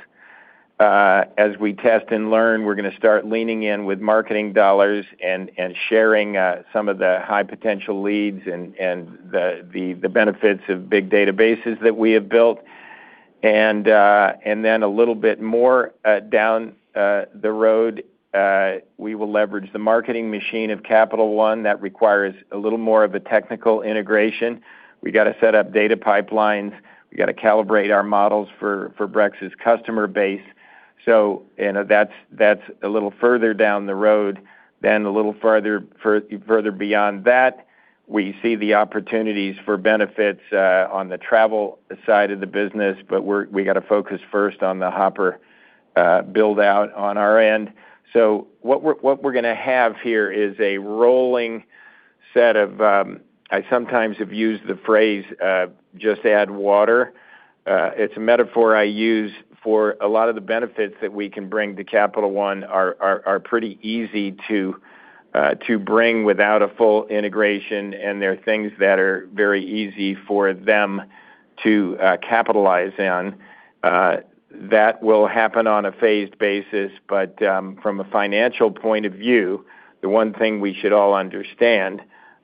as we test and learn, we're going to start leaning in with marketing dollars and sharing some of the high potential leads and the benefits of big databases that we have built. Then a little bit more down the road, we will leverage the marketing machine of Capital One. That requires a little more of a technical integration. We got to set up data pipelines. We got to calibrate our models for Brex's customer base. That's a little further down the road. A little further beyond that, we see the opportunities for benefits on the travel side of the business, but we got to focus first on the Hopper build-out on our end. What we're going to have here is a rolling set of. I sometimes have used the phrase, just add water. It's a metaphor I use for a lot of the benefits that we can bring to Capital One are pretty easy to bring without a full integration, and they're things that are very easy for them to capitalize on. That will happen on a phased basis, but from a financial point of view, the one thing we should all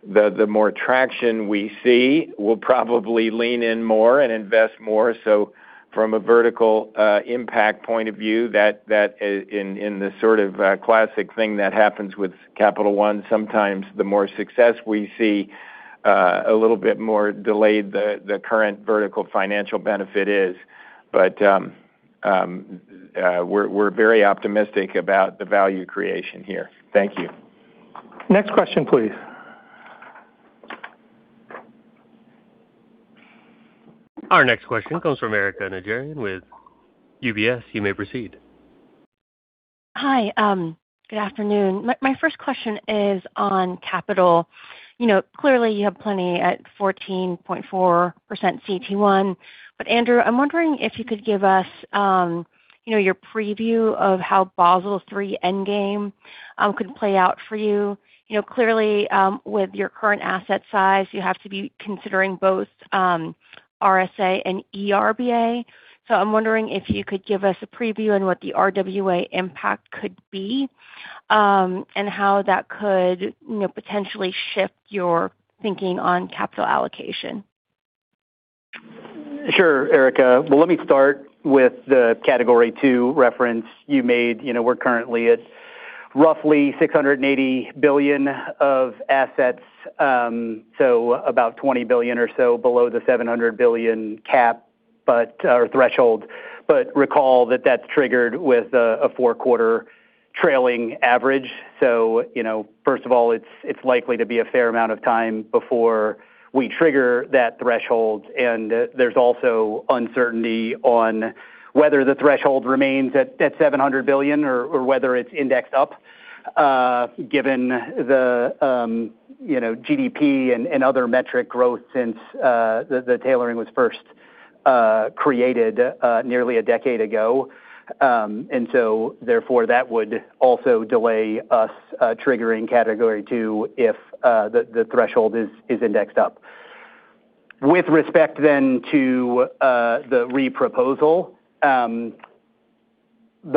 understand, the more traction we see, we'll probably lean in more and invest more. From a vertical impact point of view, in the sort of classic thing that happens with Capital One, sometimes the more success we see A little bit more delayed, the current vertical financial benefit is, but we're very optimistic about the value creation here. Thank you. Next question, please. Our next question comes from Erika Najarian with UBS. You may proceed. Hi. Good afternoon. My first question is on capital. Clearly you have plenty at 14.4% CET1, but Andrew, I'm wondering if you could give us your preview of how Basel III endgame could play out for you. Clearly, with your current asset size, you have to be considering both RSA and ERBA. I'm wondering if you could give us a preview on what the RWA impact could be, and how that could potentially shift your thinking on capital allocation. Sure, Erika. Well, let me start with the category two reference you made. We're currently at roughly $680 billion of assets, so about $20 billion or so below the $700 billion cap or threshold. Recall that that's triggered with a four-quarter trailing average. First of all, it's likely to be a fair amount of time before we trigger that threshold. There's also uncertainty on whether the threshold remains at $700 billion or whether it's indexed up, given the GDP and other metric growth since the tailoring was first created nearly a decade ago. Therefore, that would also delay us triggering category two if the threshold is indexed up. With respect then to the re-proposal. The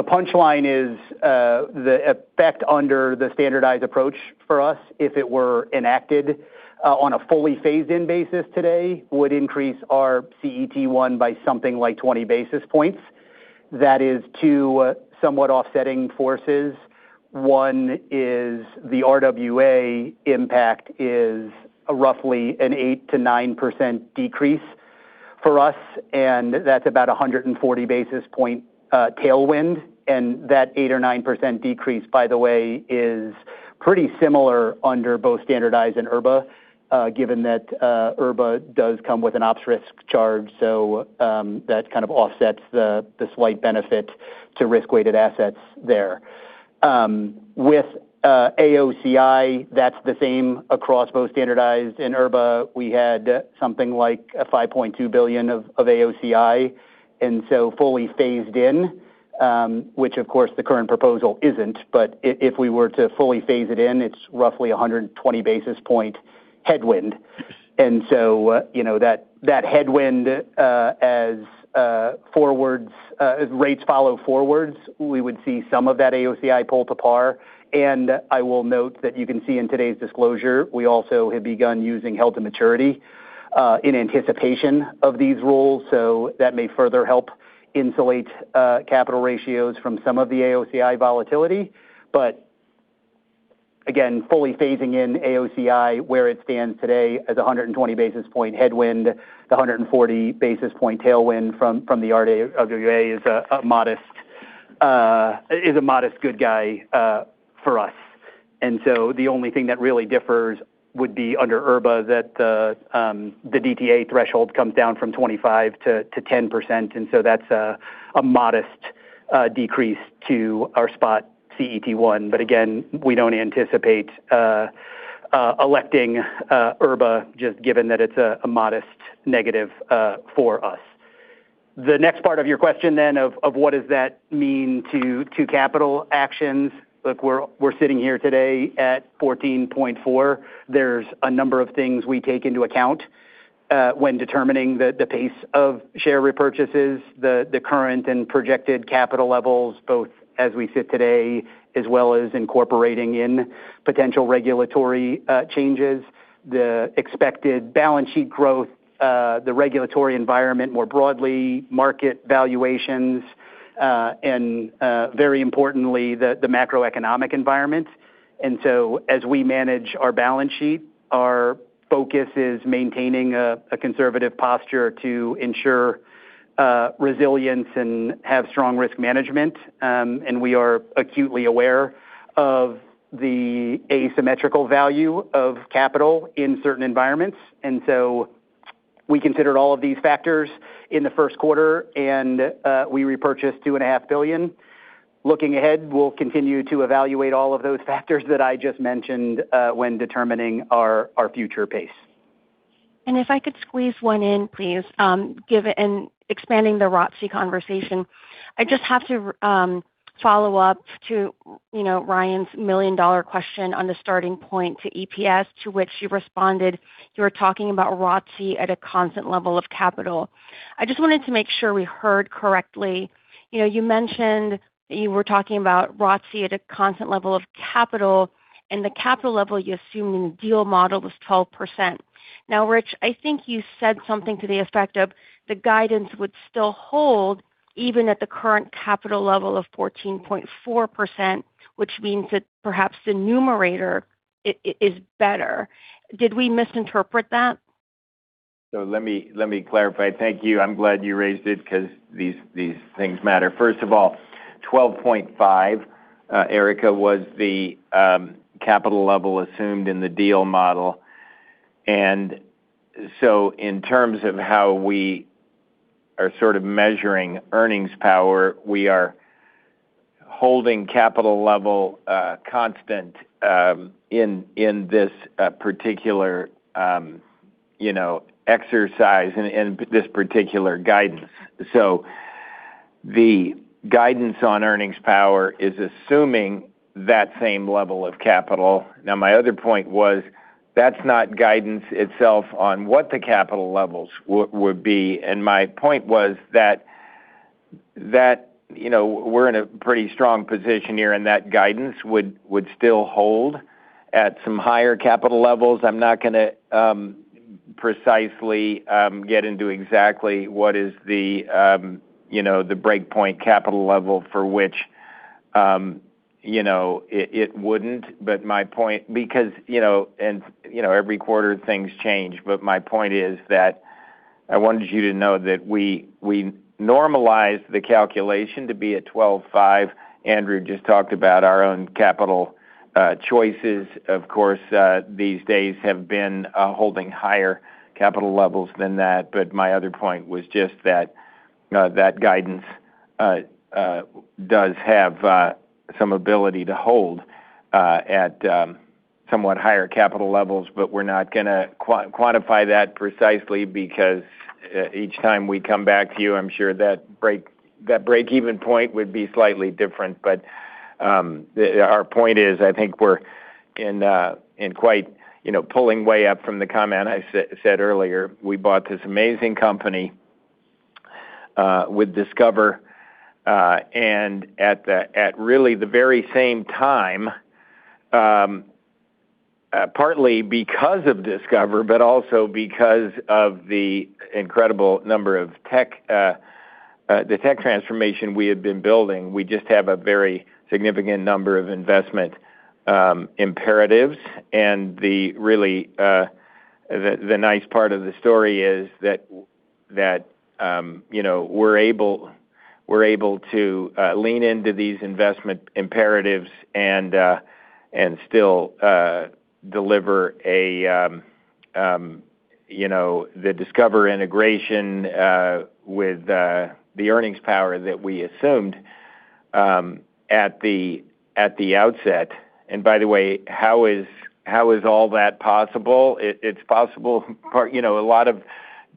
punchline is, the effect under the Standardized Approach for us, if it were enacted on a fully phased-in basis today, would increase our CET1 by something like 20 basis points. That is due to somewhat offsetting forces. One is the RWA impact is roughly an 8%-9% decrease for us, and that's about 140 basis point tailwind. That 8% or 9% decrease, by the way, is pretty similar under both standardized and IRBA, given that IRBA does come with an ops risk charge. That kind of offsets the slight benefit to risk-weighted assets there. With AOCI, that's the same across both standardized and IRBA. We had something like $5.2 billion of AOCI. Fully phased in, which of course the current proposal isn't, but if we were to fully phase it in, it's roughly 120 basis point headwind. That headwind as rates follow forwards, we would see some of that AOCI pull to par. I will note that you can see in today's disclosure, we also have begun using held to maturity in anticipation of these rules. That may further help insulate capital ratios from some of the AOCI volatility. Again, fully phasing in AOCI, where it stands today as 120 basis point headwind, the 140 basis point tailwind from the RWA is a modest good guy for us. The only thing that really differs would be under IRBA that the DTA threshold comes down from 25%-10%. That's a modest decrease to our spot CET1. Again, we don't anticipate electing IRBA just given that it's a modest negative for us. The next part of your question then of what does that mean to capital actions? Look, we're sitting here today at 14.4%. There's a number of things we take into account when determining the pace of share repurchases, the current and projected capital levels, both as we sit today, as well as incorporating in potential regulatory changes, the expected balance sheet growth, the regulatory environment more broadly, market valuations, and very importantly, the macroeconomic environment. As we manage our balance sheet, our focus is maintaining a conservative posture to ensure resilience and have strong risk management. We are acutely aware of the asymmetrical value of capital in certain environments. We considered all of these factors in the first quarter, and we repurchased $2.5 billion. Looking ahead, we'll continue to evaluate all of those factors that I just mentioned when determining our future pace. If I could squeeze one in, please. Given expanding the ROTCE conversation, I just have to follow up to Ryan's million-dollar question on the starting point to EPS to which you responded. You were talking about ROTCE at a constant level of capital. I just wanted to make sure we heard correctly. You mentioned that you were talking about ROTCE at a constant level of capital, and the capital level you assumed in the deal model was 12%. Now, Rich, I think you said something to the effect of the guidance would still hold even at the current capital level of 14.4%, which means that perhaps the numerator is better. Did we misinterpret that? Let me clarify. Thank you. I'm glad you raised it because these things matter. First of all, 12.5, Erika, was the capital level assumed in the deal model. In terms of how we are sort of measuring earnings power, we are holding capital level constant in this particular exercise and this particular guidance. The guidance on earnings power is assuming that same level of capital. Now, my other point was that's not guidance itself on what the capital levels would be. My point was that we're in a pretty strong position here, and that guidance would still hold at some higher capital levels. I'm not going to precisely get into exactly what is the breakpoint capital level for which it wouldn't, because every quarter things change. My point is that I wanted you to know that we normalized the calculation to be at 12.5. Andrew just talked about our own capital choices. Of course, we've been holding higher capital levels than that. My other point was just that the guidance does have some ability to hold at somewhat higher capital levels. We're not going to quantify that precisely, because each time we come back to you, I'm sure that break-even point would be slightly different. Our point is, I think we're pulling way up from the comment I said earlier, we bought this amazing company, Discover. At really the very same time, partly because of Discover, but also because of the incredible number of the tech transformation we have been building, we just have a very significant number of investment imperatives. The nice part of the story is that we're able to lean into these investment imperatives and still deliver the Discover integration with the earnings power that we assumed at the outset. By the way, how is all that possible? A lot of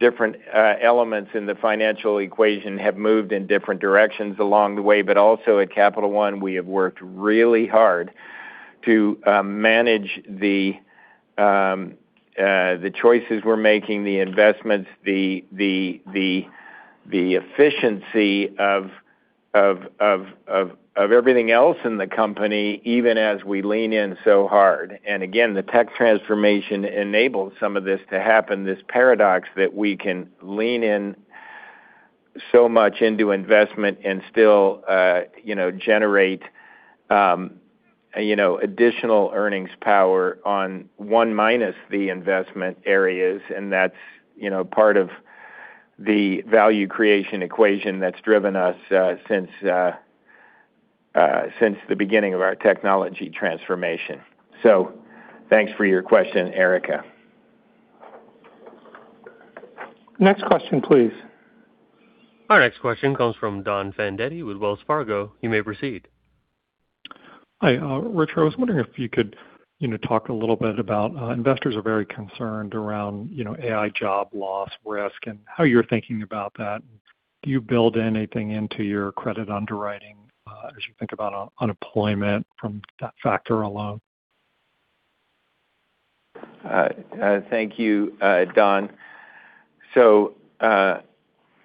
different elements in the financial equation have moved in different directions along the way. Also at Capital One, we have worked really hard to manage the choices we're making, the investments, the efficiency of everything else in the company, even as we lean in so hard. Again, the tech transformation enables some of this to happen, this paradox that we can lean in so much into investment and still generate additional earnings power on one minus the investment areas. That's part of the value creation equation that's driven us since the beginning of our technology transformation. Thanks for your question, Erika. Next question, please. Our next question comes from Don Fandetti with Wells Fargo. You may proceed. Hi, Rich. I was wondering if you could talk a little bit about how investors are very concerned around AI job loss risk and how you're thinking about that. Do you build anything into your credit underwriting as you think about unemployment from that factor alone? Thank you, Don.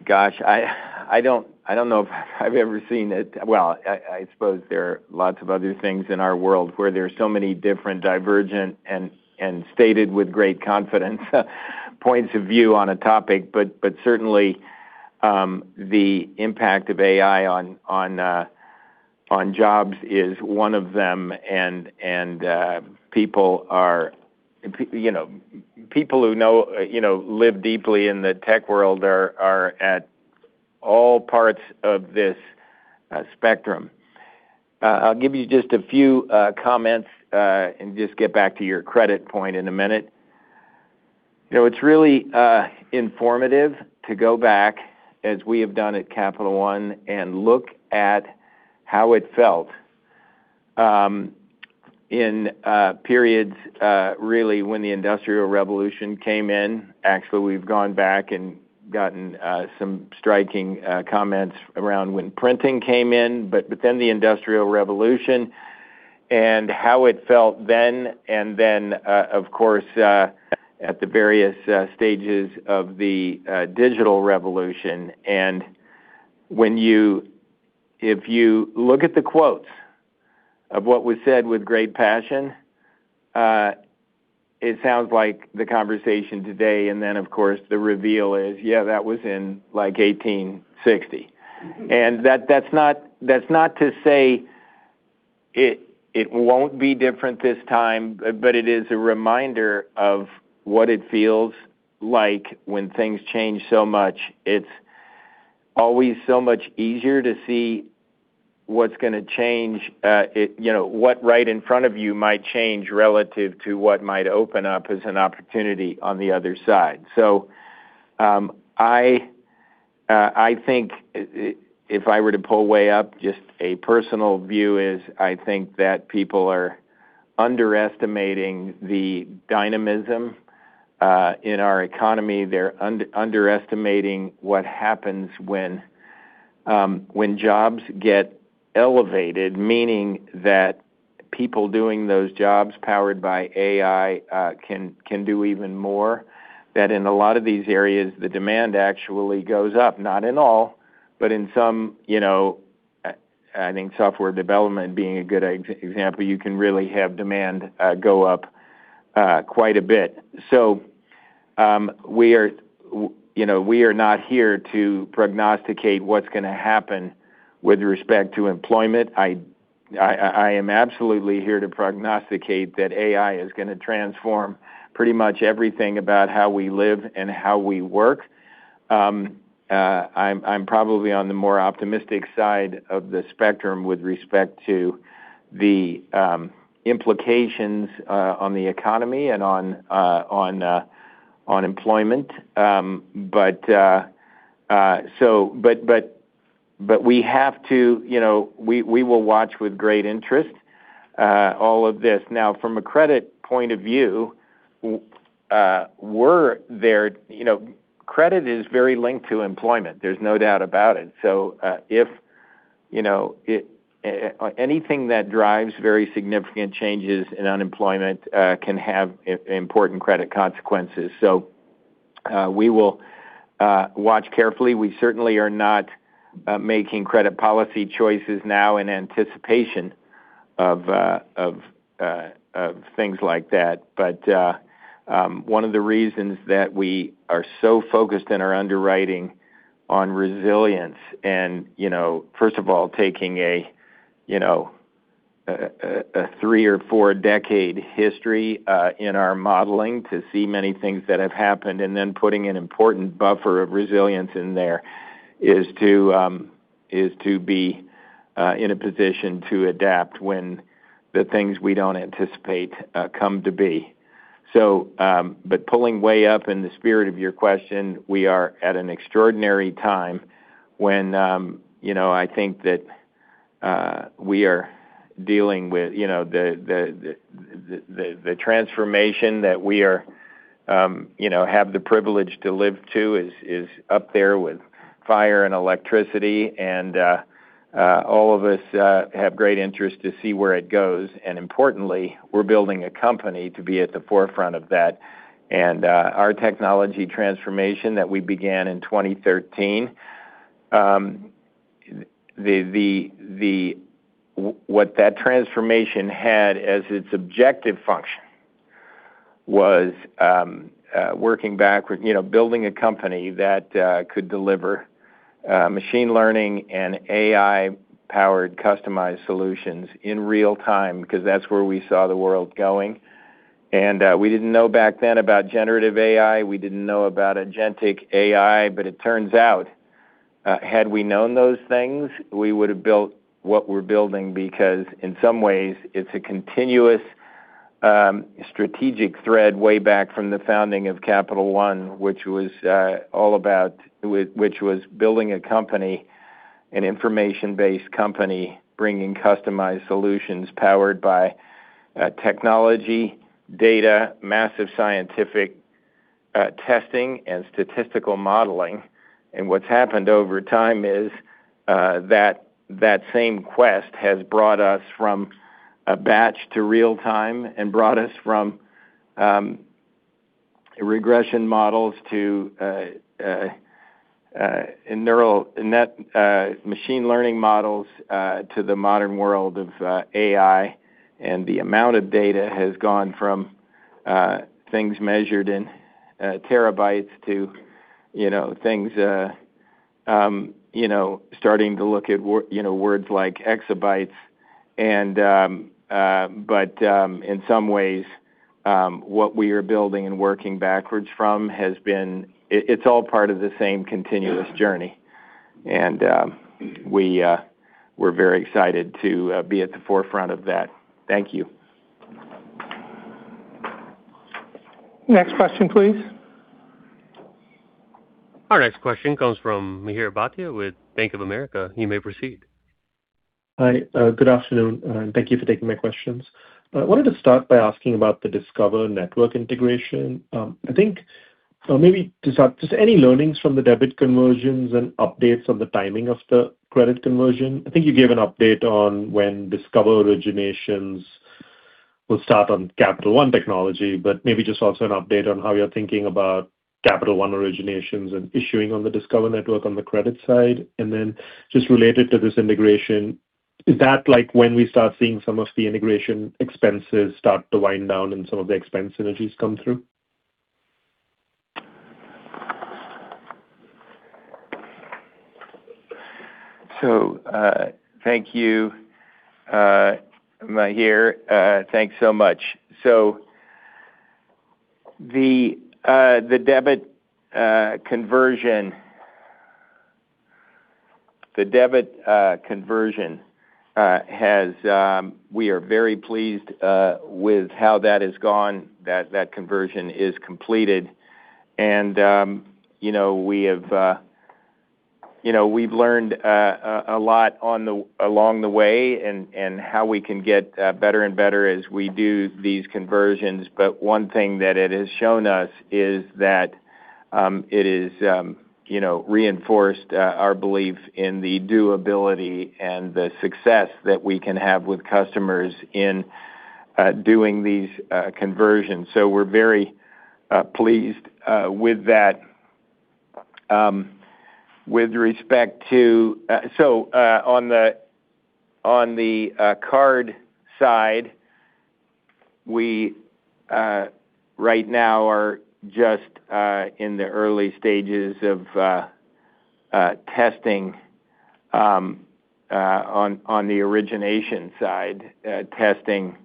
Gosh, I don't know if I've ever seen it. Well, I suppose there are lots of other things in our world where there are so many different divergent and stated with great confidence points of view on a topic. Certainly, the impact of AI on jobs is one of them. People who live deeply in the tech world are at all parts of this spectrum. I'll give you just a few comments and just get back to your credit point in a minute. It's really informative to go back as we have done at Capital One and look at how it felt in periods really when the Industrial Revolution came in. Actually, we've gone back and gotten some striking comments around when printing came in. The Industrial Revolution and how it felt then and then, of course, at the various stages of the Digital Revolution. If you look at the quotes of what was said with great passion, it sounds like the conversation today. Of course, the reveal is, yeah, that was in 1860. That's not to say it won't be different this time, but it is a reminder of what it feels like when things change so much. It's always so much easier to see what's going to change, what right in front of you might change relative to what might open up as an opportunity on the other side. I think if I were to pull way up, just a personal view is I think that people are underestimating the dynamism in our economy. They're underestimating what happens when jobs get elevated, meaning that people doing those jobs powered by AI can do even more, that in a lot of these areas, the demand actually goes up, not in all, but in some, I think software development being a good example, you can really have demand go up quite a bit. We are not here to prognosticate what's going to happen with respect to employment. I am absolutely here to prognosticate that AI is going to transform pretty much everything about how we live and how we work. I'm probably on the more optimistic side of the spectrum with respect to the implications on the economy and on employment. We will watch with great interest all of this. Now, from a credit point of view, credit is very linked to employment. There's no doubt about it. Anything that drives very significant changes in unemployment can have important credit consequences. We will watch carefully. We certainly are not making credit policy choices now in anticipation of things like that. One of the reasons that we are so focused in our underwriting on resilience and first of all, taking a three or four-decade history in our modeling to see many things that have happened, and then putting an important buffer of resilience in there is to be in a position to adapt when the things we don't anticipate come to be. Pulling way up in the spirit of your question, we are at an extraordinary time when I think that we are dealing with the transformation that we have the privilege to live to is up there with fire and electricity, and all of us have great interest to see where it goes. Importantly, we're building a company to be at the forefront of that. Our technology transformation that we began in 2013, what that transformation had as its objective function was working backward, building a company that could deliver machine learning and AI-powered customized solutions in real time, because that's where we saw the world going. We didn't know back then about generative AI, we didn't know about agentic AI. It turns out had we known those things, we would have built what we're building, because in some ways, it's a continuous strategic thread way back from the founding of Capital One, which was building a company, an information-based company, bringing customized solutions powered by technology, data, massive scientific testing, and statistical modeling. What's happened over time is that that same quest has brought us from a batch to real time and brought us from regression models to machine learning models to the modern world of AI. The amount of data has gone from things measured in terabytes to things starting to look at words like exabytes. In some ways, what we are building and working backwards from, it's all part of the same continuous journey. We're very excited to be at the forefront of that. Thank you. Next question, please. Our next question comes from Mihir Bhatia with Bank of America. You may proceed. Hi. Good afternoon, and thank you for taking my questions. I wanted to start by asking about the Discover Network integration. I think maybe to start, just any learnings from the debit conversions and updates on the timing of the credit conversion? I think you gave an update on when Discover originations will start on Capital One technology, but maybe just also an update on how you're thinking about Capital One originations and issuing on the Discover Network on the credit side. Just related to this integration, is that when we start seeing some of the integration expenses start to wind down and some of the expense synergies come through? Thank you, Mihir. Thanks so much. The debit conversion, we are very pleased with how that has gone. That conversion is completed. We've learned a lot along the way and how we can get better and better as we do these conversions. One thing that it has shown us is that it has reinforced our belief in the do-ability and the success that we can have with customers in doing these conversions. We're very pleased with that. On the card side, we right now are just in the early stages of testing on the origination side, testing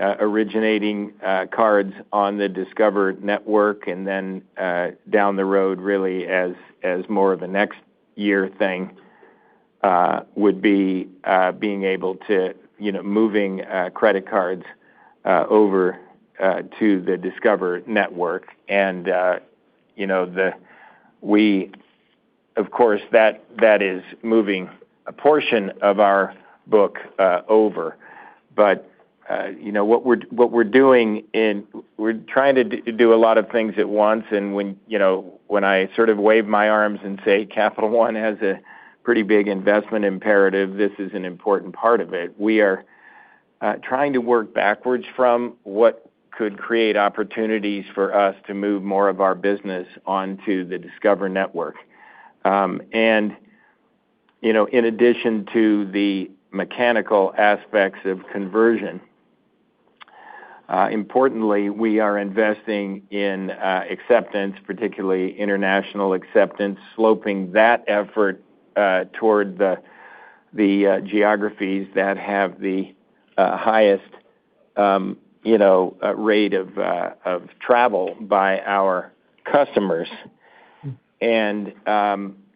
originating cards on the Discover Network, and then down the road, really as more of a next year thing, would be being able to moving credit cards over to the Discover Network. Of course, that is moving a portion of our book over. What we're doing, we're trying to do a lot of things at once, and when I sort of wave my arms and say Capital One has a pretty big investment imperative, this is an important part of it. We are trying to work backwards from what could create opportunities for us to move more of our business onto the Discover Network. In addition to the mechanical aspects of conversion, importantly, we are investing in acceptance, particularly international acceptance, sloping that effort toward the geographies that have the highest rate of travel by our customers.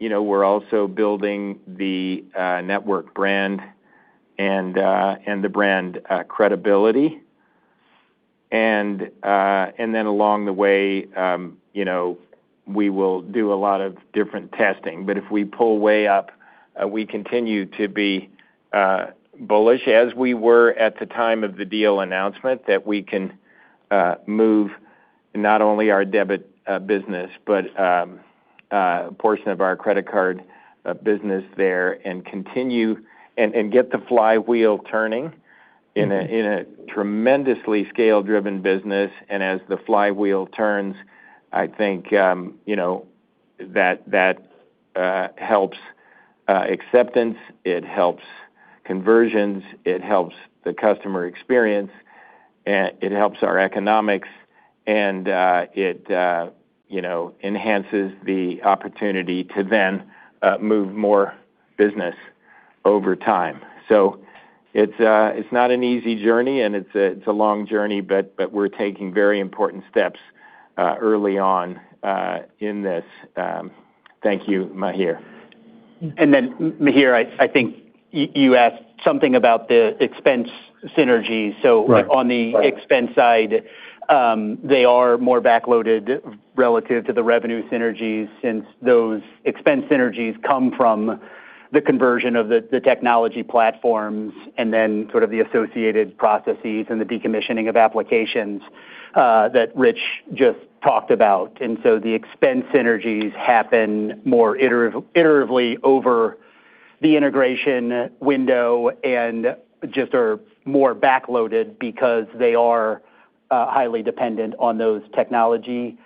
We're also building the network brand and the brand credibility. Then along the way, we will do a lot of different testing. If we pull way up, we continue to be bullish, as we were at the time of the deal announcement, that we can move not only our debit business, but a portion of our credit card business there, and get the flywheel turning in a tremendously scale-driven business. As the flywheel turns, I think that helps acceptance, it helps conversions, it helps the customer experience, it helps our economics, and it enhances the opportunity to then move more business over time. It's not an easy journey, and it's a long journey, but we're taking very important steps early on in this. Thank you, Mihir. Mihir, I think you asked something about the expense synergies. Right. On the expense side, they are more back-loaded relative to the revenue synergies, since those expense synergies come from the conversion of the technology platforms and then sort of the associated processes and the decommissioning of applications that Rich just talked about. The expense synergies happen more iteratively over the integration window and just are more back-loaded because they are highly dependent on those technology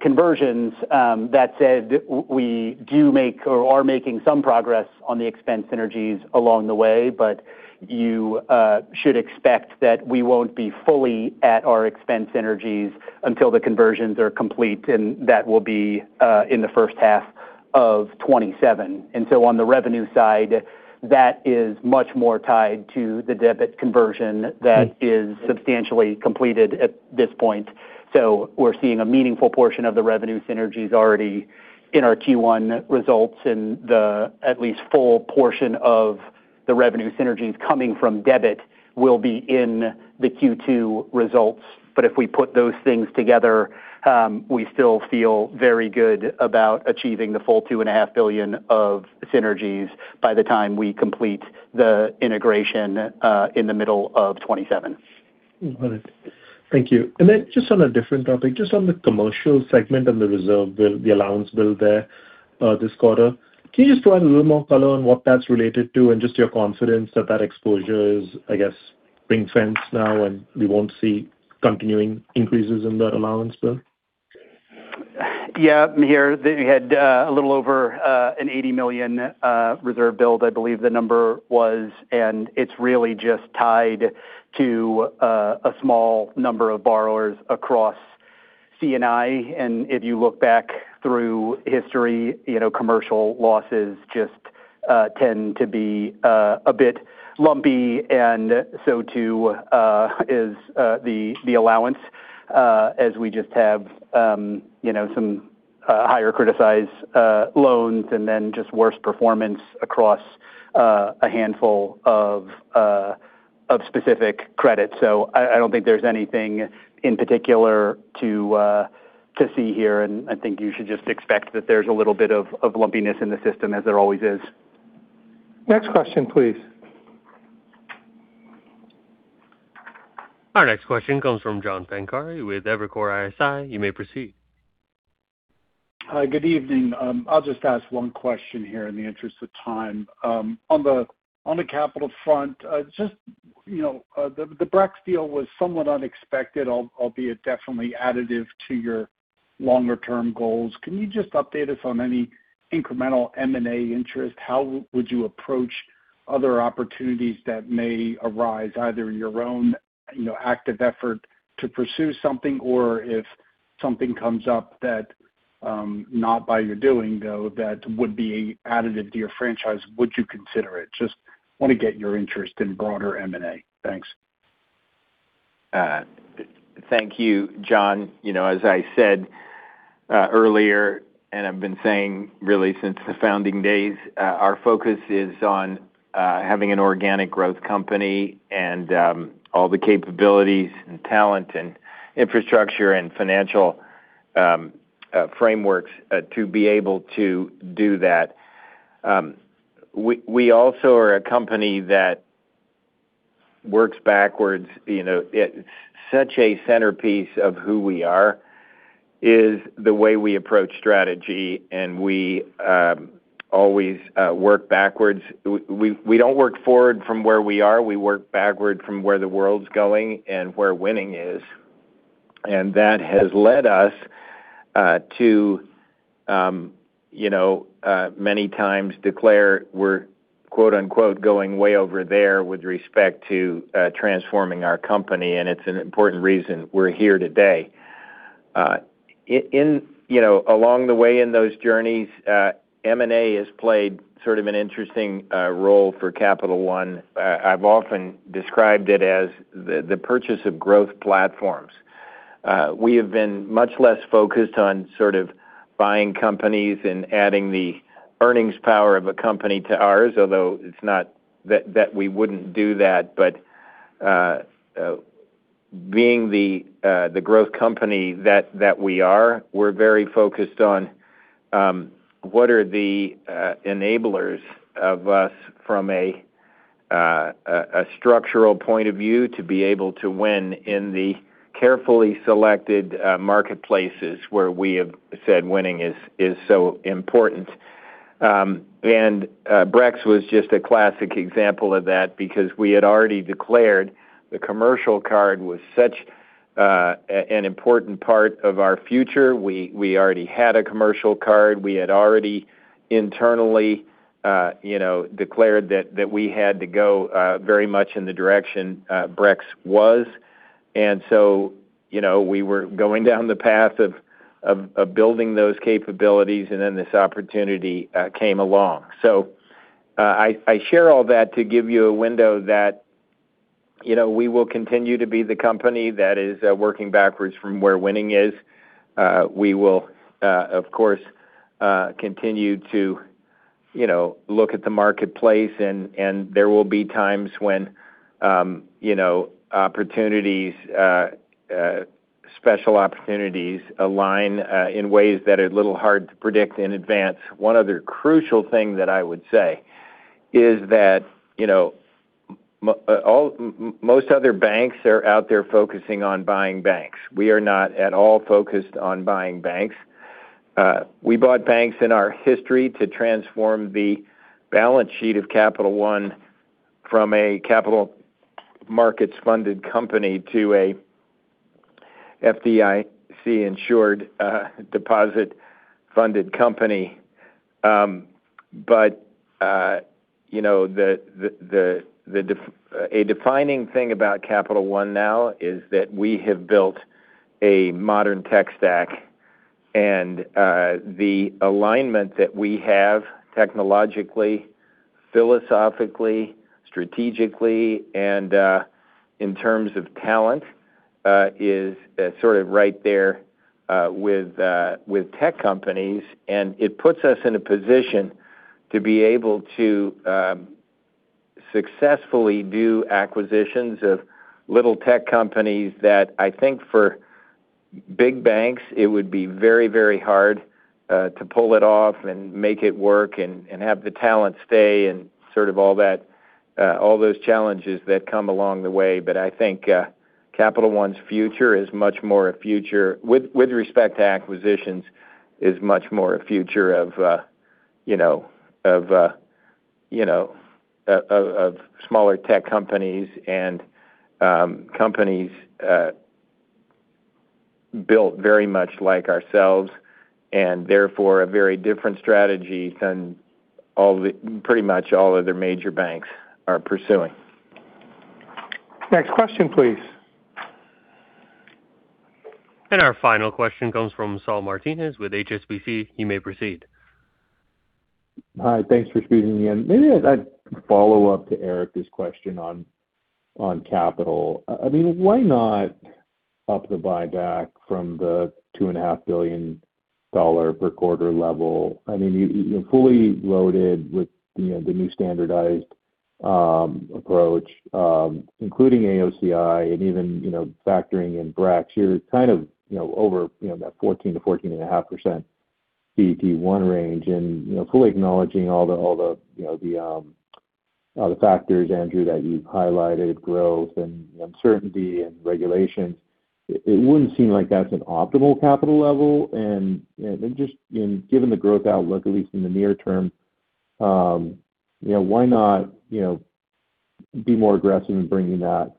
conversions. That said, we do make or are making some progress on the expense synergies along the way, but you should expect that we won't be fully at our expense synergies until the conversions are complete, and that will be in the first half of 2027. On the revenue side, that is much more tied to the debit conversion that is substantially completed at this point. We're seeing a meaningful portion of the revenue synergies already in our Q1 results, and at least full portion of the revenue synergies coming from debit will be in the Q2 results. If we put those things together, we still feel very good about achieving the full $2.5 billion of synergies by the time we complete the integration in the middle of 2027. Got it. Thank you. Just on a different topic, just on the commercial segment and the reserve build, the allowance build there this quarter. Can you just provide a little more color on what that's related to and just your confidence that exposure is, I guess, ring-fence now and we won't see continuing increases in that allowance build? Yeah, Mihir. They had a little over an $80 million reserve build, I believe the number was, and it's really just tied to a small number of borrowers across C&I. If you look back through history, commercial losses just tend to be a bit lumpy and so too is the allowance as we just have some higher criticized loans and then just worse performance across a handful of specific credits. I don't think there's anything in particular to see here, and I think you should just expect that there's a little bit of lumpiness in the system as there always is. Next question, please. Our next question comes from John Pancari with Evercore ISI. You may proceed. Hi, good evening. I'll just ask one question here in the interest of time. On the capital front, the Brex deal was somewhat unexpected, albeit definitely additive to your longer-term goals. Can you just update us on any incremental M&A interest? How would you approach other opportunities that may arise, either in your own active effort to pursue something or if something comes up that, not by your doing though, that would be additive to your franchise, would you consider it? Just want to get your interest in broader M&A. Thanks. Thank you, John. As I said earlier, and I've been saying really since the founding days, our focus is on having an organic growth company and all the capabilities and talent and infrastructure and financial frameworks to be able to do that. We also are a company that works backwards. Such a centerpiece of who we are is the way we approach strategy and we always work backwards. We don't work forward from where we are. We work backward from where the world's going and where winning is. That has led us to many times declare we're quote unquote, "going way over there" with respect to transforming our company, and it's an important reason we're here today. Along the way in those journeys, M&A has played sort of an interesting role for Capital One. I've often described it as the purchase of growth platforms. We have been much less focused on sort of buying companies and adding the earnings power of a company to ours, although it's not that we wouldn't do that. Being the growth company that we are, we're very focused on what are the enablers of us from a structural point of view to be able to win in the carefully selected marketplaces where we have said winning is so important. Brex was just a classic example of that because we had already declared the commercial card was such an important part of our future. We already had a commercial card. We had already internally declared that we had to go very much in the direction Brex was. We were going down the path of building those capabilities, and then this opportunity came along. I share all that to give you a window that we will continue to be the company that is working backwards from where winning is. We will, of course, continue to look at the marketplace, and there will be times when special opportunities align in ways that are a little hard to predict in advance. One other crucial thing that I would say is that most other banks are out there focusing on buying banks. We are not at all focused on buying banks. We bought banks in our history to transform the balance sheet of Capital One from a capital markets funded company to a FDIC insured deposit funded company. A defining thing about Capital One now is that we have built a modern tech stack and the alignment that we have technologically, philosophically, strategically, and in terms of talent is sort of right there with tech companies. It puts us in a position to be able to successfully do acquisitions of little tech companies that I think for big banks, it would be very hard to pull it off and make it work and have the talent stay and sort of all those challenges that come along the way. I think Capital One's future is much more a future, with respect to acquisitions, is much more a future of smaller tech companies and companies built very much like ourselves, and therefore, a very different strategy than pretty much all other major banks are pursuing. Next question, please. Our final question comes from Saul Martinez with HSBC. You may proceed. Hi. Thanks for squeezing me in. Maybe I'd follow up to Erica's question on capital. I mean, why not up the buyback from the $2.5 billion per quarter level? I mean, you're fully loaded with the new standardized approach, including AOCI and even factoring in Brex. You're kind of over that 14%-14.5% CET1 range and fully acknowledging all the factors, Andrew, that you've highlighted, growth and uncertainty and regulations. It wouldn't seem like that's an optimal capital level. Just given the growth outlook, at least in the near term, why not be more aggressive in bringing that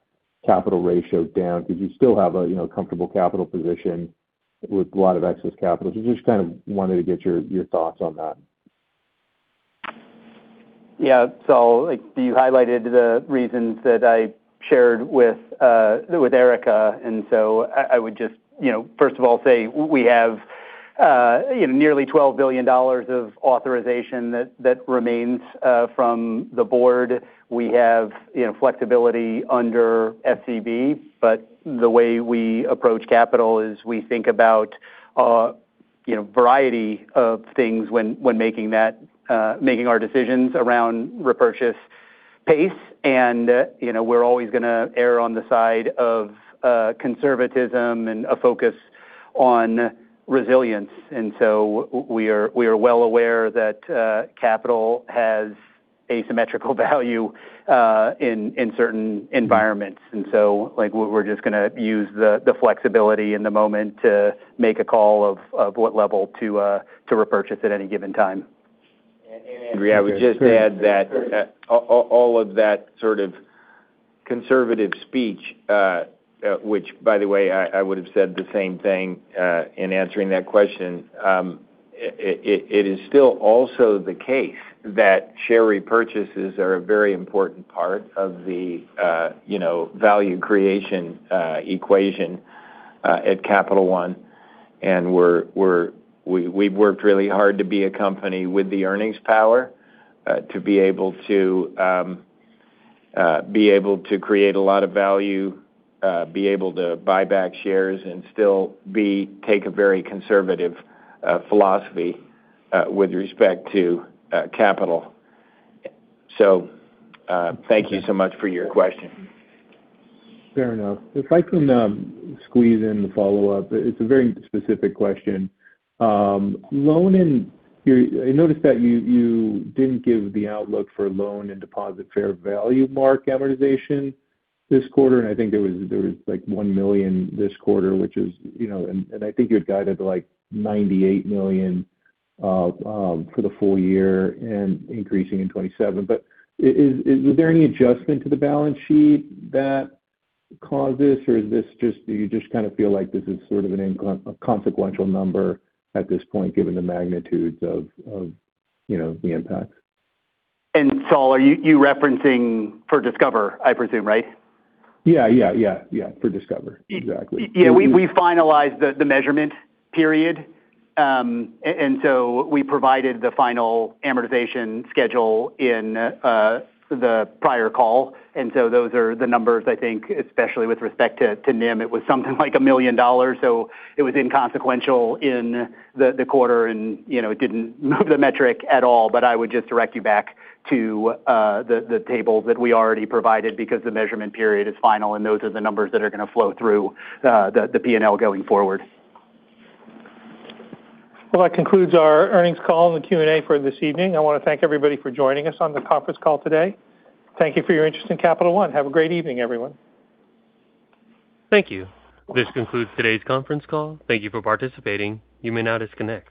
capital ratio down because you still have a comfortable capital position with a lot of excess capital. Just kind of wanted to get your thoughts on that. Yeah. Like you highlighted the reasons that I shared with Erika, and so I would just first of all say we have nearly $12 billion of authorization that remains from the board. We have flexibility under FCB, but the way we approach capital is we think about a variety of things when making our decisions around repurchase pace. We're always going to err on the side of conservatism and a focus on resilience. We are well aware that capital has asymmetrical value in certain environments. We're just going to use the flexibility in the moment to make a call of what level to repurchase at any given time. Andrew, I would just add that all of that sort of conservative speech, which by the way, I would've said the same thing in answering that question. It is still also the case that share repurchases are a very important part of the value creation equation at Capital One. We've worked really hard to be a company with the earnings power to be able to create a lot of value, be able to buy back shares and still take a very conservative philosophy with respect to capital. Thank you so much for your question. Fair enough. If I can squeeze in the follow-up, it's a very specific question. I noticed that you didn't give the outlook for loan and deposit fair value mark amortization this quarter, and I think there was like $1 million this quarter, which is, and I think you had guided like $98 million for the full year and increasing in 2027. But is there any adjustment to the balance sheet that caused this, or is this just you kind of feel like this is sort of an inconsequential number at this point given the magnitudes of the impacts? Saul, are you referencing for Discover, I presume, right? Yeah. For Discover. Exactly. Yeah. We finalized the measurement period. We provided the final amortization schedule in the prior call. Those are the numbers, I think especially with respect to NIM, it was something like $1 million. It was inconsequential in the quarter and it didn't move the metric at all. I would just direct you back to the table that we already provided because the measurement period is final, and those are the numbers that are going to flow through the P&L going forward. Well, that concludes our earnings call and the Q&A for this evening. I want to thank everybody for joining us on the conference call today. Thank you for your interest in Capital One. Have a great evening, everyone. Thank you. This concludes today's conference call. Thank you for participating. You may now disconnect.